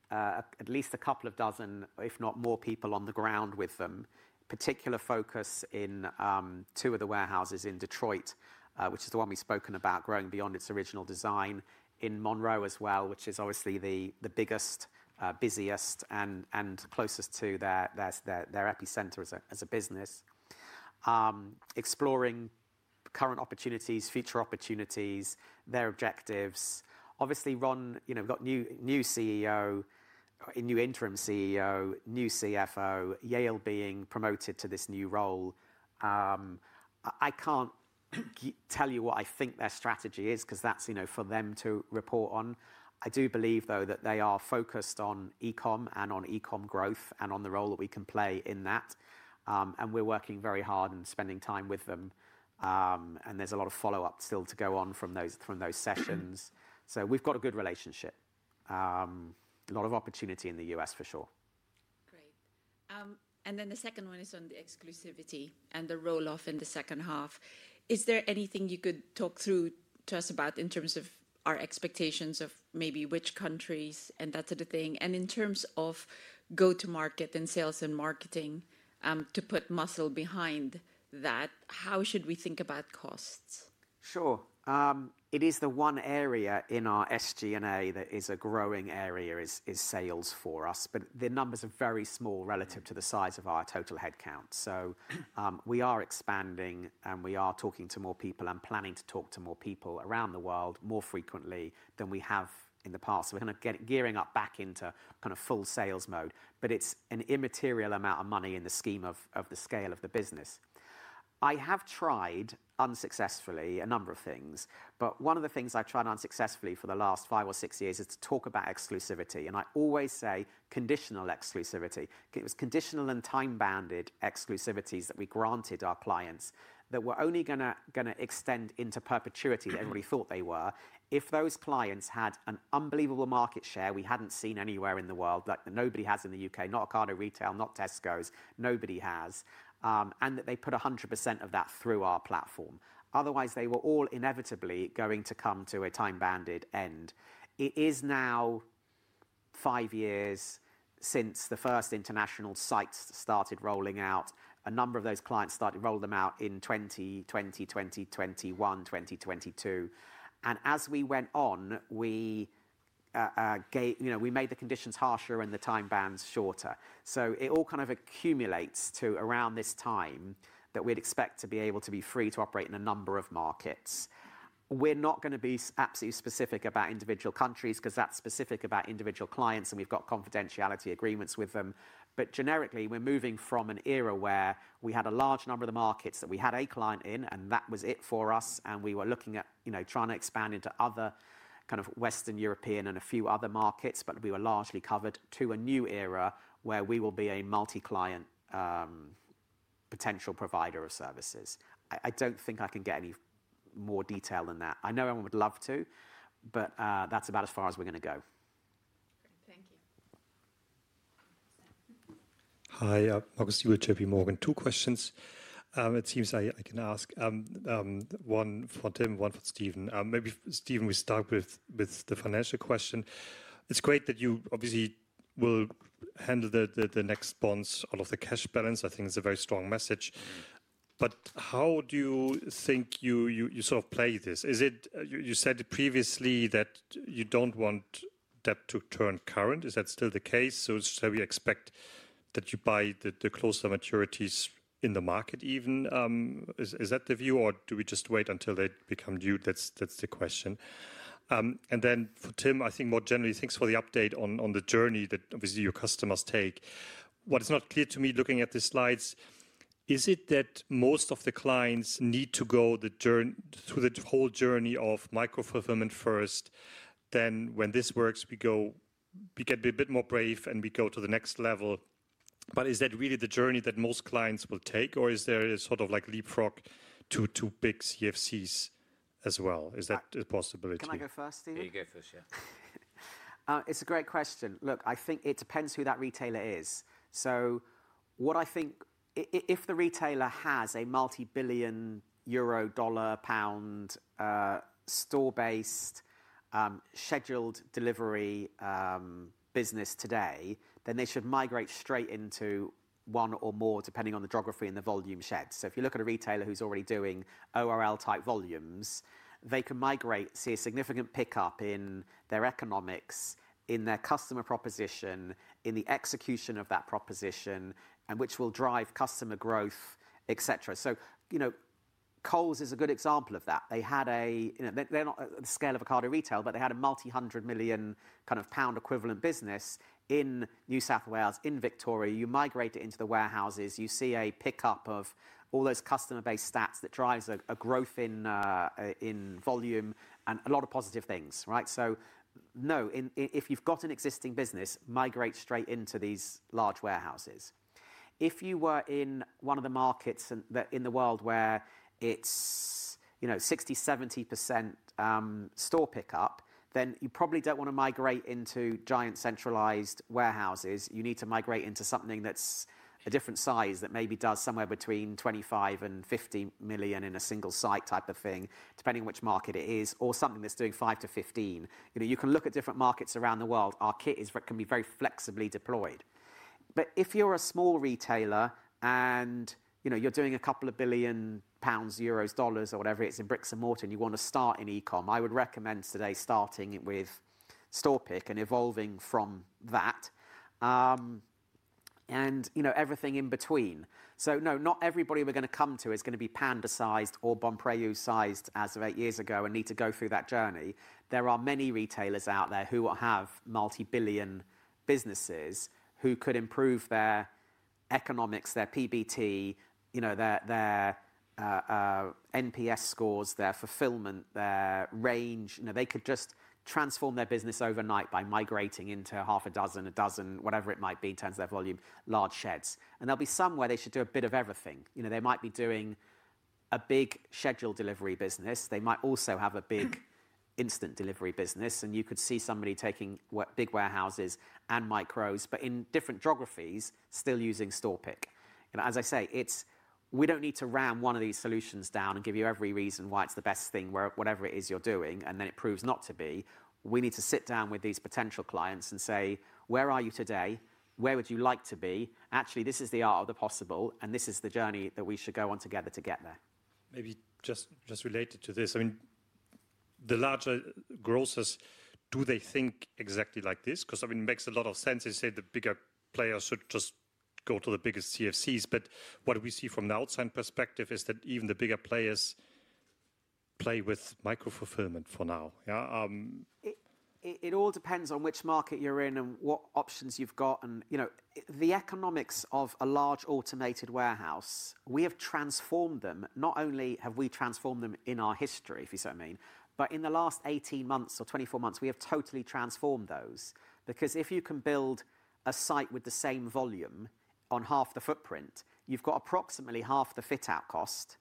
at least a couple of dozen, if not more people on the ground with them. Particular focus in, two of the warehouses in Detroit, which is the one we've spoken about growing beyond its original design. In Monroe as well, which is obviously the biggest, busiest, and closest to their epicenter Exploring current opportunities, future opportunities, their objectives. Obviously, Ron, you know, got new new CEO, a new interim CEO, new CFO, Yale being promoted to this new role. I can't tell you what I think their strategy is because that's for them to report on. I do believe though that they are focused on ecom and on ecom growth and on the role that we can play in that. And we're working very hard and spending time with them. And there's a lot of follow-up still to go on from those sessions. So we've got a good relationship. A lot of opportunity in The US for sure. Great. Then the second one is on the exclusivity and the roll off in the second half. Is there anything you could talk through to us about in terms of our expectations of maybe which countries and that sort of thing? And in terms of go to market and sales and marketing to put muscle behind that, how should we think about costs? Sure. It is the one area in our SG and A that is a growing area is sales for us. But the numbers are very small relative to the size of our total headcount. So, we are expanding and we are talking to more people and planning to talk to more people around the world more frequently than we have in the past. So we're going to get gearing up back into kind of full sales mode. But it's an immaterial amount of money in the scheme of of the scale of the business. I have tried unsuccessfully a number of things, but one of the things I've tried unsuccessfully for the last five or six years is to talk about exclusivity, and I always say conditional exclusivity. It was conditional and time bounded exclusivities that we granted our clients that were only going to extend into perpetuity than we thought they were. If those clients had an unbelievable market share we hadn't seen anywhere in the world, like nobody has in The UK, not Ocado Retail, not Tesco's, nobody has, and that they put a 100% of that through our platform. Otherwise, they were all inevitably going to come to a time banded end. It is now five years since the first international sites started rolling out. A number of those clients started rolling them out in 2020, 2021, 2022. And as we went on, we gave we made the conditions harsher and the time bands shorter. So it all kind of accumulates to around this time that we'd expect to be able to be free to operate in a number of markets. We're not going to be absolutely specific about individual countries because that specific about individual clients and we've got confidentiality agreements with them. But generically, we're moving from an era where we had a large number of the markets that we had a client in and that was it for us. And we were looking at trying to expand into other kind of Western European and a few other markets, we were largely covered to a new era where we will be a multi client potential provider of services. I don't think I can get any more detail than that. I know I would love to, but that's about as far as we're going to go. You. Markus Steuwitz, JPMorgan. Two questions. It seems I can ask one for Tim, one for Stephen. Maybe Stephen, start with the financial question. It's great that you obviously will handle the next bonds out of the cash balance. I think it's a very strong message. But how do you think you sort of play this? Is it you said previously that you don't want debt to turn current. Is that still the case? So should we expect that you buy the closer maturities in the market even? Is that the view? Or do we just wait until they become due? That's the question. And then for Tim, I think more generally, thanks for the update on the journey that obviously your customers take. What is not clear to me looking at the slides, is it that most of the clients need to go through the whole journey of micro fulfillment first? Then when this works, we go we can be a bit more brave and we go to the next level. But is that really the journey that most clients will take? Or is there a sort of like leapfrog to big CFCs as well? That a possibility? Can I go first, Steve? There you go first, yes. It's a great question. Look, I think it depends who that retailer is. So what I think if the retailer has a multibillion euro dollar pound store based, scheduled delivery business today, then they should migrate straight into one or more depending on the geography and the volume shed. So if you look at a retailer who's already doing ORL type volumes, they can migrate, see a significant pickup in their economics, in their customer proposition, in the execution of that proposition, and which will drive customer growth etcetera. So you know, Coles is a good example of that. They had a, you know, they're at the scale of a card retail, but they had a multi 100,000,000 kind of pound equivalent business in New South Wales, in Victoria. You migrate it into the warehouses. You see a pickup of all those customer base stats that drives a growth in, in volume and a lot of positive things. Right? So, no. If you've got an existing business, migrate straight into these large warehouses. If you were in one of the markets in the world where it's, you know, 6070%, store pickup, then you probably don't want to migrate into giant centralized warehouses. You need to migrate into something that's a different size that maybe does somewhere between twenty five and fifty million in a single site type of thing, depending which market it is, or something that's doing five to 15. You you can look at different markets around the world. Our kit is where it can be very flexibly deployed. But if you're a small retailer and, you know, you're doing a couple of billion pounds, euros, dollars or whatever it's in bricks and mortar and you wanna start in ecom, I would recommend today starting with Storpic and evolving from that. And you know everything in between. So no, not everybody we're going to come to is going to be Panda sized or Bon Preux sized as of eight years ago and need to go through that journey. There are many retailers out there who will have multi billion businesses who could improve their economics, their PBT, you know, their their NPS scores, their fulfillment, their range. You know, they could just transform their business overnight by migrating into half a dozen, a dozen, whatever it might be, turns their volume, large sheds. And There'll be some where they should do a bit of everything. You know, might be doing a big schedule delivery business. They might also have a big instant delivery business, and you could see somebody taking big warehouses and micros, but in different geographies, still using StorPic. And as I say, it's we don't need to ram one of these solutions down and give you every reason why it's the best thing where whatever it is you're doing, and then it proves not to be. We need to sit down with these potential clients and say, where are you today? Where would you like to be? Actually, this is the art of the possible, and this is the journey that we should go on together to get there. Maybe just just related to this. I mean, the larger grocers, do they think exactly like this? Because I mean, it makes a lot of sense to say the bigger players should just go to the biggest CFCs. But what do we see from the outside perspective is that even the bigger players play with micro fulfillment for now. Yeah. It it all depends on which market you're in and what options you've got. And, you know, the economics of a large automated warehouse, we have transformed them. Not only have we transformed them in our history, if you so mean, but in the last eighteen months or twenty four months, we have totally transformed those. Because if you can build a site with the same volume on half the footprint, you've got approximately half the fit out cost.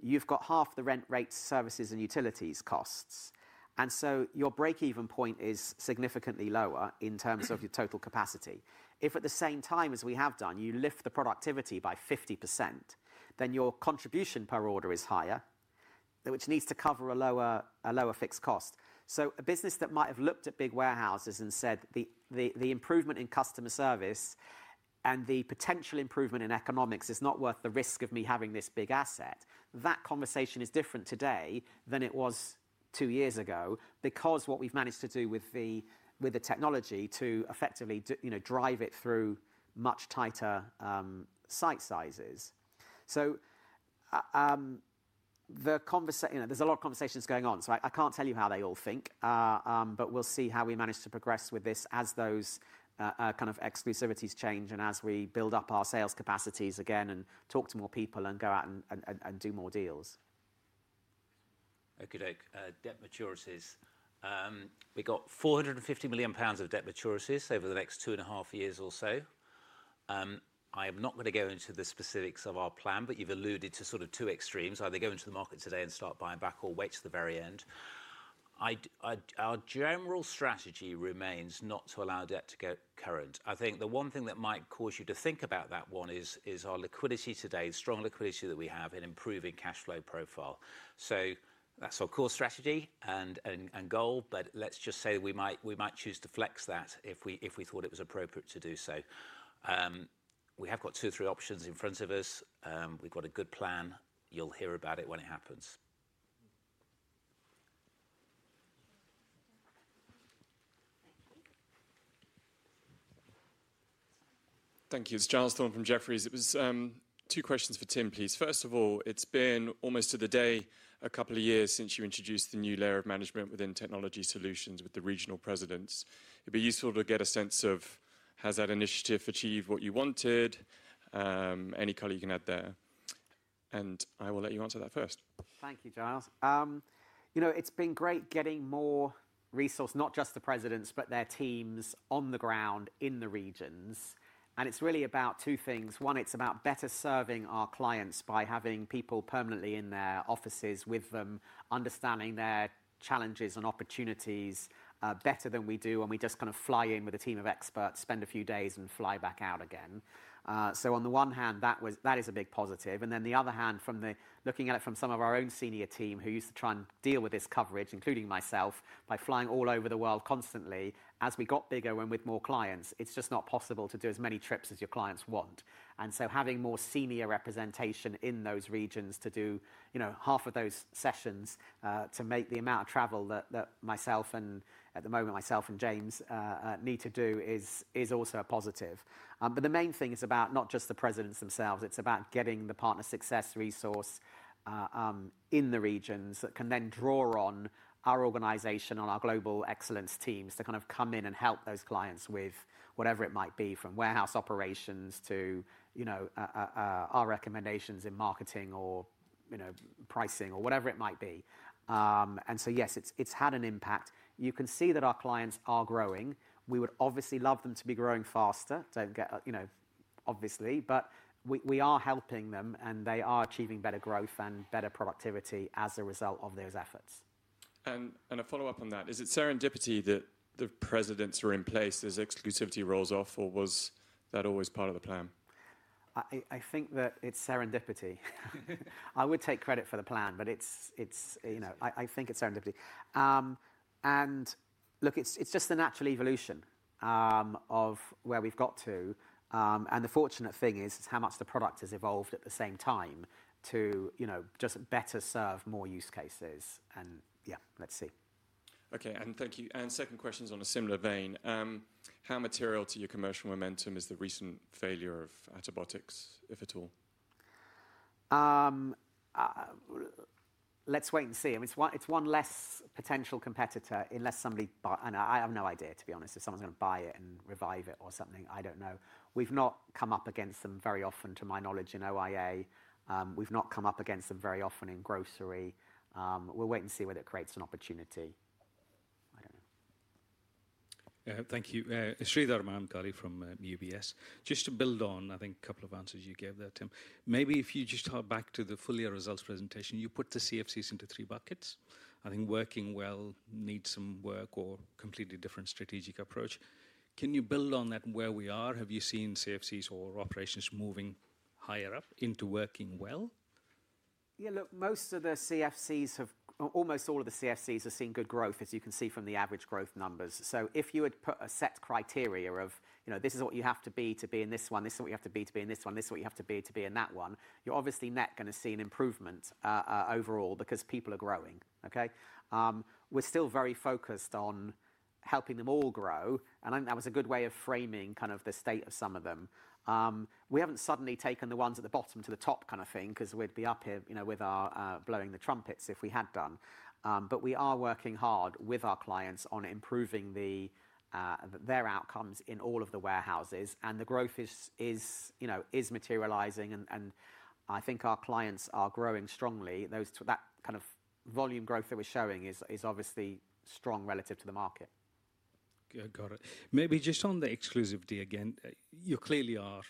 You've got half the rent rates services and utilities costs. And so your breakeven point is significantly lower in terms of your total capacity. If at the same time as we have done you lift the productivity by 50% then your contribution per order is higher, which needs to cover a lower fixed cost. So a business that might have looked at big warehouses and said the the the improvement in customer service and the potential improvement in economics is not worth the risk of me having this big asset. That conversation is different today than it was two years ago because what we've managed to do with the with the technology to effectively, know, drive it through much tighter, site sizes. So the conversation there's a lot of conversations going on, so I can't tell you how they all think, but we'll see how we manage to progress with this as those, kind of exclusivities change and as we build up our sales capacities again and talk to more people and go out and do more deals. Okeydoke. Debt maturities. We got £450,000,000 of debt maturities over the next two and a half years or so. I am not going to go into the specifics of our plan, but you've alluded to sort of two extremes. Either go into the market today and start buying back or wait till the very end. Our general strategy remains not to allow debt to get current. I think the one thing that might cause you to think about that one is our liquidity today, strong liquidity that we have and improving cash flow profile. So that's our core strategy goal, but let's just say we might choose to flex that if we thought it was appropriate to do so. We have got two or three options in front of us. We've got a good plan. You'll hear about it when it happens. Thank you. It's Giles Thorne from Jefferies. It was, two questions for Tim please. First of all, it's been almost to the day a couple of years since you introduced the new layer of management within technology solutions with the regional presidents. It'd be useful to get a sense of has that initiative achieved what you wanted? Any color you can add there? And I will let you answer that first. Thank you, Giles. You know, it's been great getting more resource, not just the presidents, but their teams on the ground in the regions. And it's really about two things. One, it's about better serving our clients by having people permanently in their offices with them, understanding their challenges and opportunities better than we do and we just kind of fly in with a team of experts, spend a few days and fly back out again. So on the one hand that was that is a big positive, then the other hand from the looking at it from some of our own senior team who used to try and deal with this coverage including myself, by flying all over the world constantly, as we got bigger and with more clients, it's just not possible to do as many trips as your clients want. And so having more senior representation in those regions to do, you know, half of those sessions, to make the amount of travel that that myself and at the moment myself and James, need to do is is also a positive. But the main thing is about not just the presidents themselves, it's about getting the partner success resource in the regions that can then draw on our organization on our global excellence teams to kind of come in and help those clients with whatever it might be from warehouse operations to you know, our recommendations in marketing or you know, pricing or whatever it might be. And so yes, it's it's had an impact. You can see that our clients are growing. We would obviously love them to be growing faster, don't get you know, obviously, but we we are helping them and they are achieving better growth and better productivity as a result of those efforts. And and a follow-up on that, is it serendipity that the presidents are in place as exclusivity rolls off, or was that always part of the plan? I I think that it's serendipity. I would take credit for the plan, but it's it's, you know, I I think it's serendipity. And look it's it's just a natural evolution of where we've got to. And the fortunate thing is how much the product has evolved at the same time to you know, just better serve more use cases and yeah, let's see. Okay. And thank you. And second question is on a similar vein. How material to your commercial momentum is the recent failure of antibiotics if at all? Let's wait and see. Mean it's one it's one less potential competitor unless somebody bought and I have no idea to be honest. If someone's gonna buy it and revive it or something, I don't know. We've not come up against them very often to my knowledge in OIA. We've not come up against them very often in grocery. We'll wait and see whether it creates an opportunity. You. Sreedhar Mamkali from UBS. Just to build on I think a couple of answers you gave there Tim. Maybe if you just hop back to the full year results presentation, you put the CFCs into three buckets. I think working well needs some work or completely different strategic approach. Can you build on that where we are? Have you seen CFCs or operations moving higher up into working well? Yeah. Look, most of the CFCs have almost all of the CFCs have seen good growth as you can see from the average growth numbers. So if you had put a set criteria of this is what you have to be to be in this one, this is what you have to be to be in this one, this is what you have to be to be in that you're obviously not gonna see an improvement, overall because people are growing. Okay? We're still very focused on helping them all grow and I think that was a good way of framing kind of the state of some of them. We haven't suddenly taken the ones at the bottom to the top kind of thing because we'd be up here, you know, with our, blowing the trumpets if we had done, but we are working hard with our clients on improving the, their outcomes in all of the warehouses and the growth is is, is materializing and I think our clients are growing strongly. Those that kind of volume growth that we're showing is obviously strong relative to the market. Got it. Maybe just on the exclusivity again, you clearly are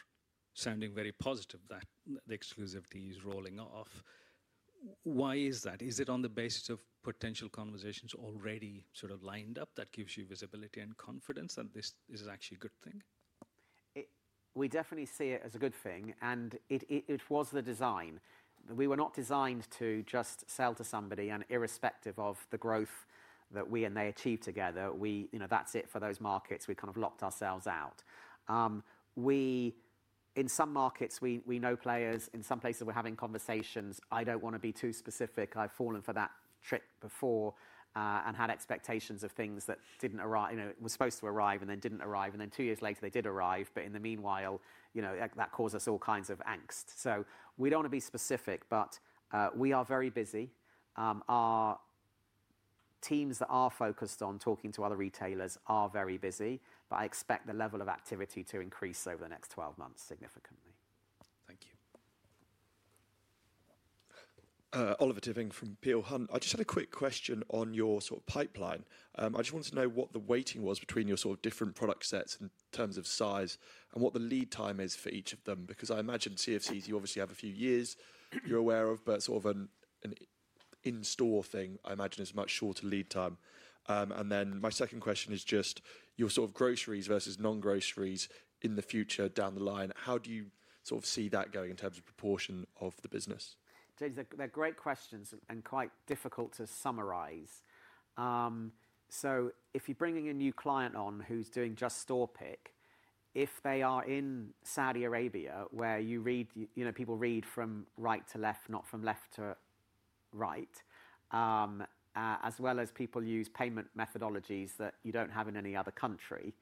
sounding very positive that the exclusivity is rolling off. Why is that? Is it on the basis of potential conversations already sort of lined up that gives you visibility and confidence that this is actually a good thing? We definitely see it as a good thing and it it it was the design. We were not designed to just sell to somebody and irrespective of the growth that we and they achieved together. We, you know, that's it for those markets. We kind of locked ourselves out. We, in some markets, we we know players. In some places, we're having conversations. I don't want to be too specific. I've fallen for that trip before, and had expectations of things that didn't arrive, you know, were supposed to arrive and then didn't arrive. And then two years later, they did arrive. But in the meanwhile, that caused us all kinds of angst. So we don't want be specific, but, we are very busy. Our teams are focused on talking to other retailers are very busy, but I expect the level of activity to increase over the next twelve months significantly. Thank you. Oliver Tivng from Peel Hunt. I just had a quick question on your sort of pipeline. I just want to know what the waiting was between your sort of different product sets in terms of size and what the lead time is for each of them? Because I imagine CFCs, you obviously have a few years you're aware of, but sort of an in store thing, I imagine, is much shorter lead time. And then my second question is just your sort of groceries versus non groceries in the future down the line. How do you sort of see that going in terms of proportion of the business? James, they're they're great questions and quite difficult to summarize. So if you're bringing a new client on who's doing just store pick, if they are in Saudi Arabia where you read, know, people read from right to left not from left to right, as well as people use payment methodologies that you don't have in any other country,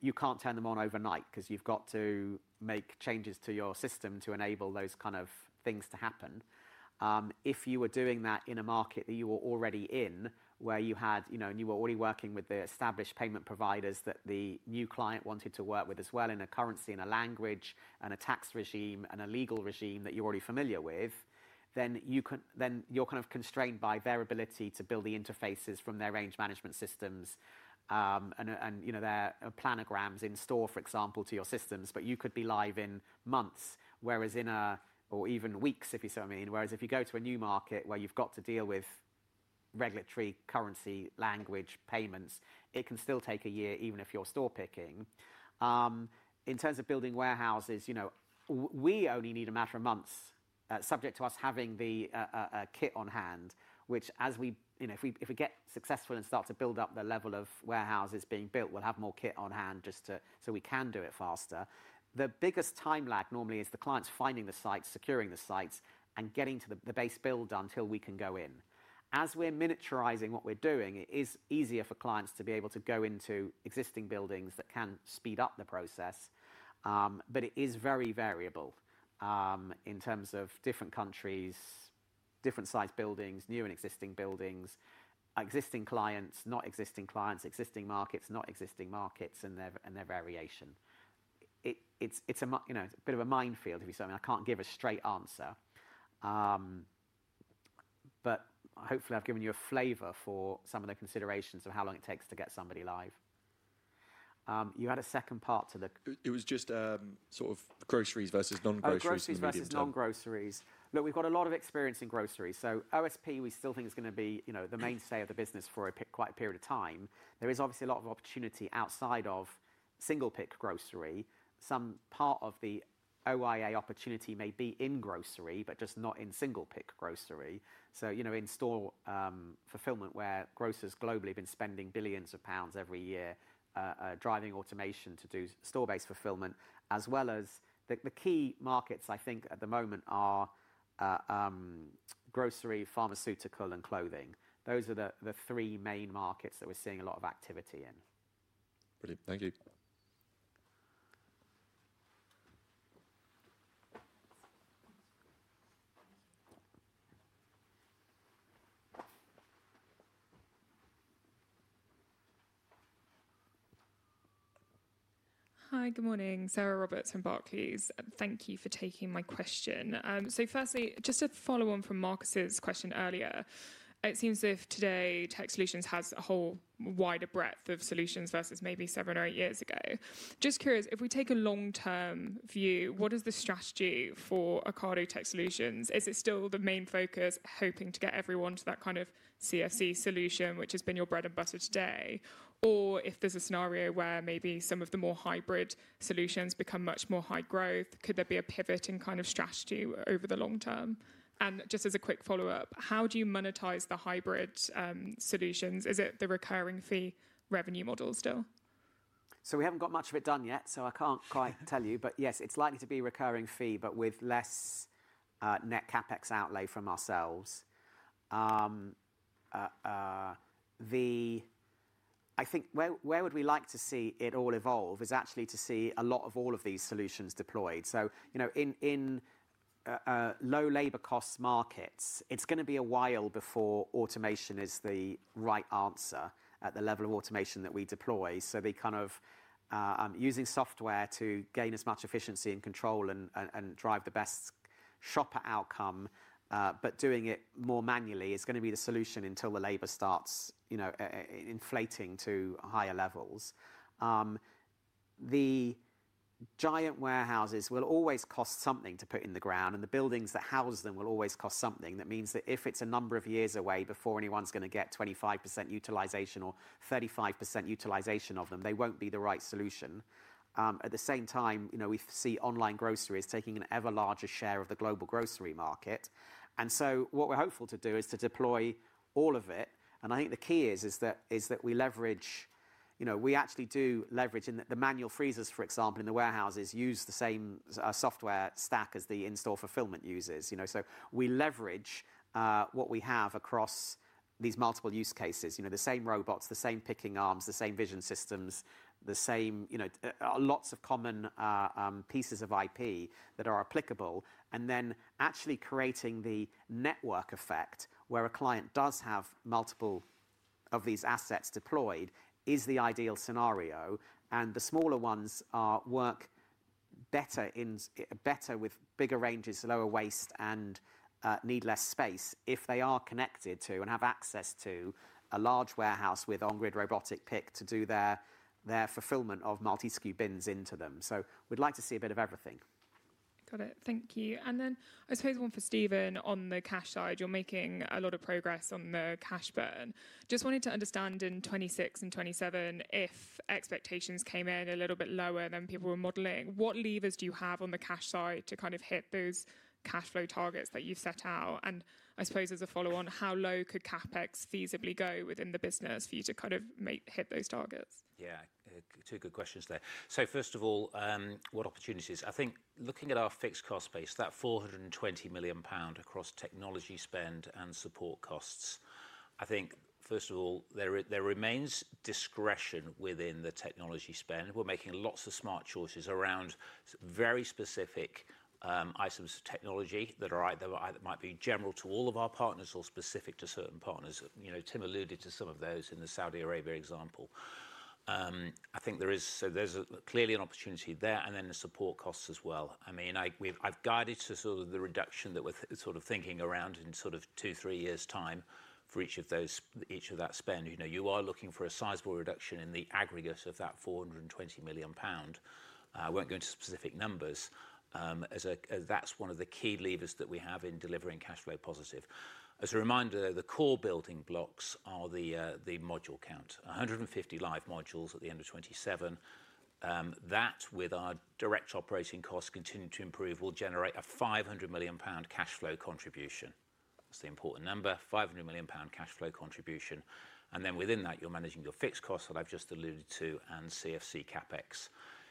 you can't turn them on overnight because you've got to make changes to your system to enable those kind of things to happen. If you were doing that in a market that you were already in where you had, you know, and you were already working with the established payment providers that the new client wanted to work with as well in a currency, in a language, and a tax regime, and a legal regime that you're already familiar with, then you can then you're kind of constrained by their ability to build the interfaces from their range management systems and and, you know, their planograms in store, for example, to your systems, but you could be live in months. Whereas in a or even weeks, if you so mean, whereas if you go to a new market where you've got to deal with regulatory currency language payments, it can still take a year even if you're store picking. In terms of building warehouses, you know, we only need a matter of months, subject to us having the kit on hand, which as we know, if we if we get successful and start to build up the level of warehouses being built, we'll have more kit on hand just to so we can do it faster. The biggest time lag normally is the clients finding the sites, securing the sites, and getting to the the base build until we can go in. As we're miniaturizing what we're doing, it is easier for clients to be able to go into existing buildings that can speed up the process, but it is very variable, in terms of different countries, different sized buildings, new and existing buildings, existing clients, not existing clients, existing markets, not existing markets, and their and their variation. It it's it's a, you know, it's a bit of a minefield if you say, I I can't give a straight answer, but hopefully I've given you a flavor for some of the considerations of how long it takes to get somebody live. You had a second part to the It was just, sort of groceries versus non groceries. Non groceries. No. We've got a lot of experience in grocery. So OSP, we still think it's gonna be, you know, the mainstay of the business for a quite a period of time. There is obviously a lot of opportunity outside of single pick grocery. Some part of the OIA opportunity may be in grocery, but just not in single pick grocery. So, you know, in store, fulfillment where grocers globally have been spending billions of pounds every year, driving automation to do store based fulfillment as well as the key markets I think at the moment are, grocery, pharmaceutical and clothing. Those are the three main markets that we're seeing a lot of activity in. Thank you. Hi, good morning. Sarah Roberts from Barclays. Thank you for taking my question. So firstly, just a follow on from Marcus' question earlier. It seems if today, tech solutions has a whole wider breadth of solutions versus maybe seven or eight years ago. Just curious, if we take a long term view, what is the strategy for Ocado tech solutions? Is it still the main focus hoping to get everyone to that kind of CSC solution, which has been your bread and butter today? Or if there's a scenario where maybe some of the more hybrid solutions become much more high growth, could there be a pivot in kind of strategy over the long term? And just as a quick follow-up, how do you monetize the hybrid, solutions? Is it the recurring fee revenue model still? So we haven't got much of it done yet, so I can't quite tell you. But yes, it's likely to be recurring fee, but with less net CapEx outlay from ourselves. The I think where where would we like to see it all evolve is actually to see a lot of all of these solutions deployed. So, you know, in in, low labor cost markets, it's going to be a while before automation is the right answer at the level of automation that we deploy. So they kind of, using software to gain as much efficiency and control and and drive the best shopper outcome, but doing it more manually is gonna be the solution until the labor starts, you know, inflating to higher levels. The giant warehouses will always cost something to put in the ground and the buildings that house them will always cost something. That means that if it's a number of years away before anyone's gonna get 25% utilization or 35% utilization of them, they won't be the right solution. At the same time, you know, we see online grocery is taking an ever larger share of the global grocery market. And so what we're hopeful to do is to deploy all of it, and I think the key is is that is that we leverage, you know, we actually do leverage in the manual freezers, for example, in the warehouses use the same software stack as the in store fulfillment uses, you know. So we leverage, what we have across these multiple use cases, you know, the same robots, the same picking arms, the same vision systems, the same, you know, lots of common, pieces of IP that are applicable. And then actually creating the network effect where a client does have multiple of these assets deployed is the ideal scenario. And the smaller ones are work better in better with bigger ranges, lower waste, and, need less space if they are connected to and have access to a large warehouse with on grid robotic pick to do their fulfillment of multisku bins into them. So we'd like to see a bit of everything. Got it. Thank you. And then I suppose one for Stephen on the cash side. You're making a lot of progress on the cash burn. Just wanted to understand in 2026 and 2027, if expectations came in a little bit lower than people were modeling, what levers do you have on the cash side to kind of hit those cash flow targets that you've set out? And I suppose as a follow on, how low could CapEx feasibly go within the business for you to kind of make hit those targets? Yes. Two good questions there. So first of all, what opportunities? I think looking at our fixed cost base, that £420,000,000 across technology spend and support costs, I think, first of all, there remains discretion within the technology spend. We're making lots of smart choices around very specific, items of technology that are either might be general to all of our partners or specific to certain partners. Tim alluded to some of those in the Saudi Arabia example. I think there is clearly an opportunity there and then the support costs as well. I mean I've guided to sort of the reduction that we're sort of thinking around in sort of two, three years' time for each of those each of that spend. Are looking for a sizable reduction in the aggregate of that GBP $420,000,000. I won't go into specific numbers, as that's one of the key levers that we have in delivering cash flow positive. As a reminder, the core building blocks are the module count. 150 live modules at the end of twenty seven. That with our direct operating costs continue to improve will generate a 500,000,000 pound cash flow contribution. It's an important number, 500,000,000 cash flow contribution. And then within that, you're managing your fixed costs that I've just alluded to and CFC CapEx.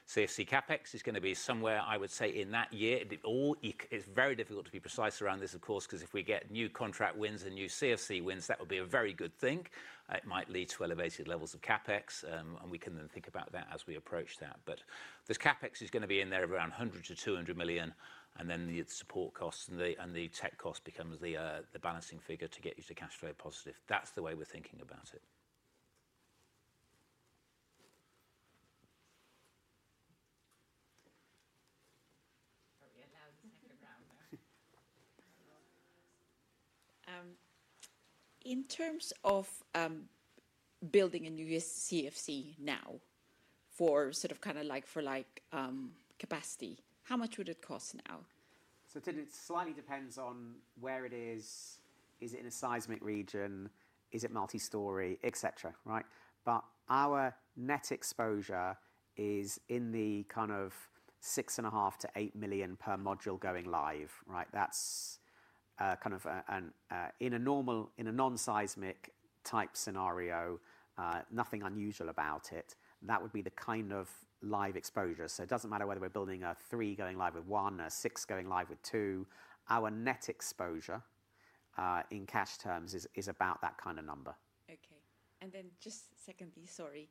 CFC CapEx is going to be somewhere, I would say, in that year. It's very difficult to be precise around this because if we get new contract wins and new CFC wins that will be a very good thing. It might lead to elevated levels of CapEx, and we can then think about that as we approach that. But this CapEx is going be in there of around 100,000,000 to 200,000,000 and then the support costs and the tech cost becomes the balancing figure to get you to cash flow positive. That's the way we're thinking about it. In terms of building a new CFC now for sort of kind of like for like, capacity? How much would it cost now? So it it slightly depends on where it is. Is it in a seismic region? Is it multistory? Etcetera. Right? But our net exposure is in the kind of 6 and a half to 8,000,000 per module going live. Right? That's, kind of an, in a normal, in a non seismic type scenario, nothing unusual about it. That would be the kind of live exposure. So it doesn't matter whether we're building a three going live with one, a six going live with two, our net exposure in cash terms is is about that kind of number. Okay. And then just secondly, sorry.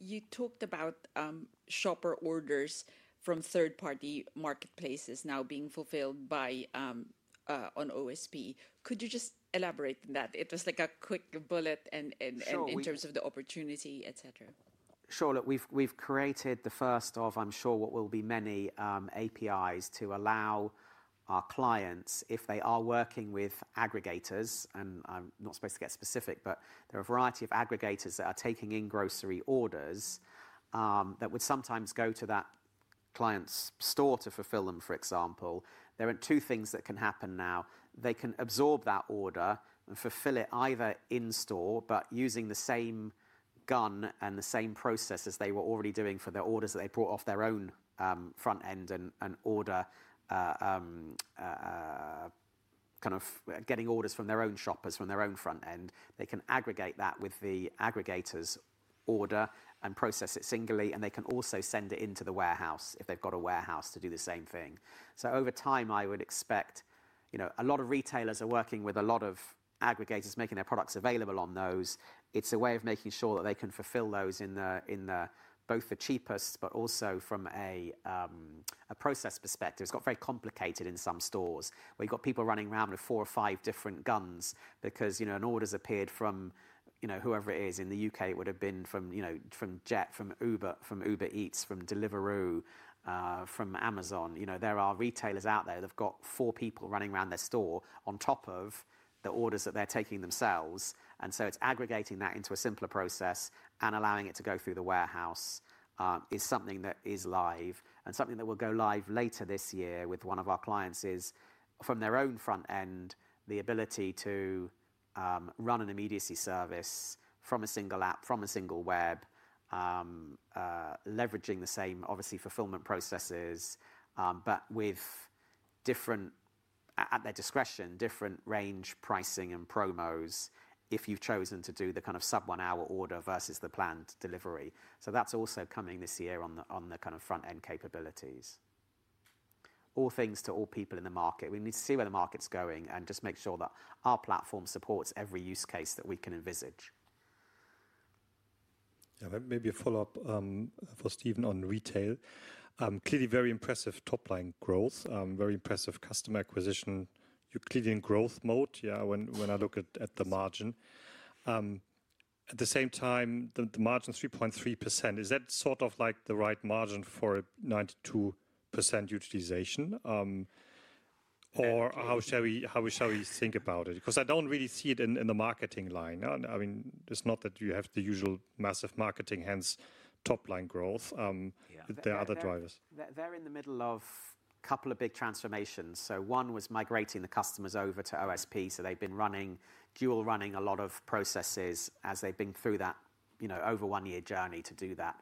You talked about shopper orders from third party marketplaces now being fulfilled by on OSP. Could you just elaborate on that? It was like a quick bullet in terms of the opportunity, etcetera. Sure. Look, we've we've created the first of I'm sure what will be many APIs to allow our clients if they are working with aggregators and I'm not supposed to get specific, but there are a variety of aggregators that are taking in grocery orders that would sometimes go to that client's store to fulfill them for example. There are two things that can happen now. They can absorb that order and fulfill it either in store, but using the same gun and the same processes they were already doing for their orders that they brought off their own, front end and and order, of getting orders from their own shoppers from their own front end. They can aggregate that with the aggregators order and process it singly, and they can also send it into the warehouse if they've got a warehouse to do the same thing. So over time, I would expect, you know, a lot of retailers are working with a lot of aggregators making their products available on those. It's a way of making sure that they can fulfill those in the in the both the cheapest, but also from a, a process perspective. It's got very complicated in some stores. We've got people running around with four or five different guns because, you know, an order's appeared from, you know, whoever it is in The UK, would have been from, you know, from Jet, from Uber, from Uber Eats, from Deliveroo, from Amazon. You know, there are retailers out there that have got four people running around their store on top of the orders that they're taking themselves. And so it's aggregating that into a simpler process and allowing it to go through the warehouse is something that is live. And something that will go live later this year with one of our clients is from their own front end, the ability to run an immediacy service from a single app, from a single web, leveraging the same obviously fulfillment processes, but with different, at their discretion, different range pricing and promos if you've chosen to do the kind of sub one hour order versus the planned delivery. So that's also coming this year on the on the kind of front end capabilities. All things to all people in the market. We need to see where the market's going and just make sure that our platform supports every use case that we can envisage. Maybe a follow-up for Stephen on retail. Clearly, impressive top line growth, very impressive customer acquisition. You're clearly in growth mode, yes, when I look at the margin. At the same time, the margin is 3.3%. Is that sort of like the right margin for 92% utilization? Or how shall we think about it? Because I don't really see it in the marketing line. I mean, it's not that you have the usual massive marketing, hence top line growth. in the middle of a couple of big transformations. So one was migrating the customers over to OSP. So they've been running dual running a lot of processes as they've been through that over one year journey to do that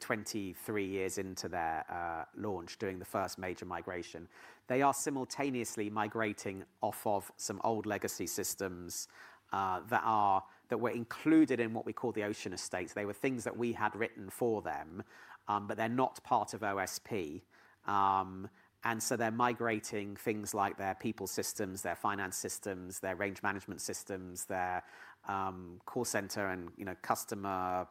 twenty three years into their, launch during the first major migration. They are simultaneously migrating off of some old legacy systems, that are that were included in what we call the Ocean Estates. They were things that we had written for them, but they're not part of OSP. And so they're migrating things like their people systems, their finance systems, their range management systems, their, call center and customer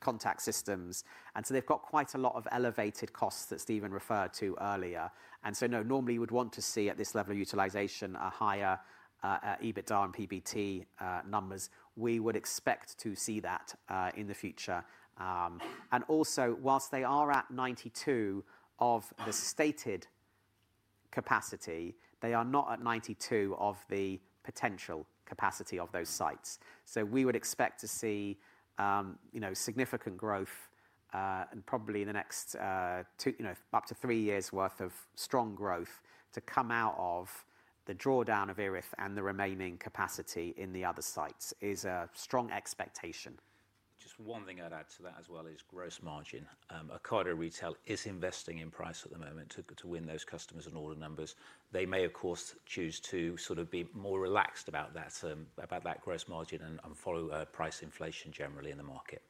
contact systems. And so they've got quite a lot of elevated costs that Stephen referred to earlier. And so no, normally you would want to see at this level of utilization a higher, EBITDA and PBT, numbers. We would expect to see that, in the future. And also whilst they are at 92 of the stated capacity, they are not at 92 of the potential capacity of those sites. So we would expect to see, significant growth, and probably in the next, two to three years worth of strong growth to come out of the drawdown of Erith and the remaining capacity in the other sites is a strong expectation. Just one thing I'd add to that as well is gross margin. Ocado Retail is investing in price at the moment to win those customers in order numbers. They may, of course, choose to sort of be more relaxed about that gross margin and follow price inflation generally in the market.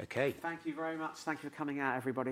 Okay. Thank you very much. Thank you for coming out, everybody.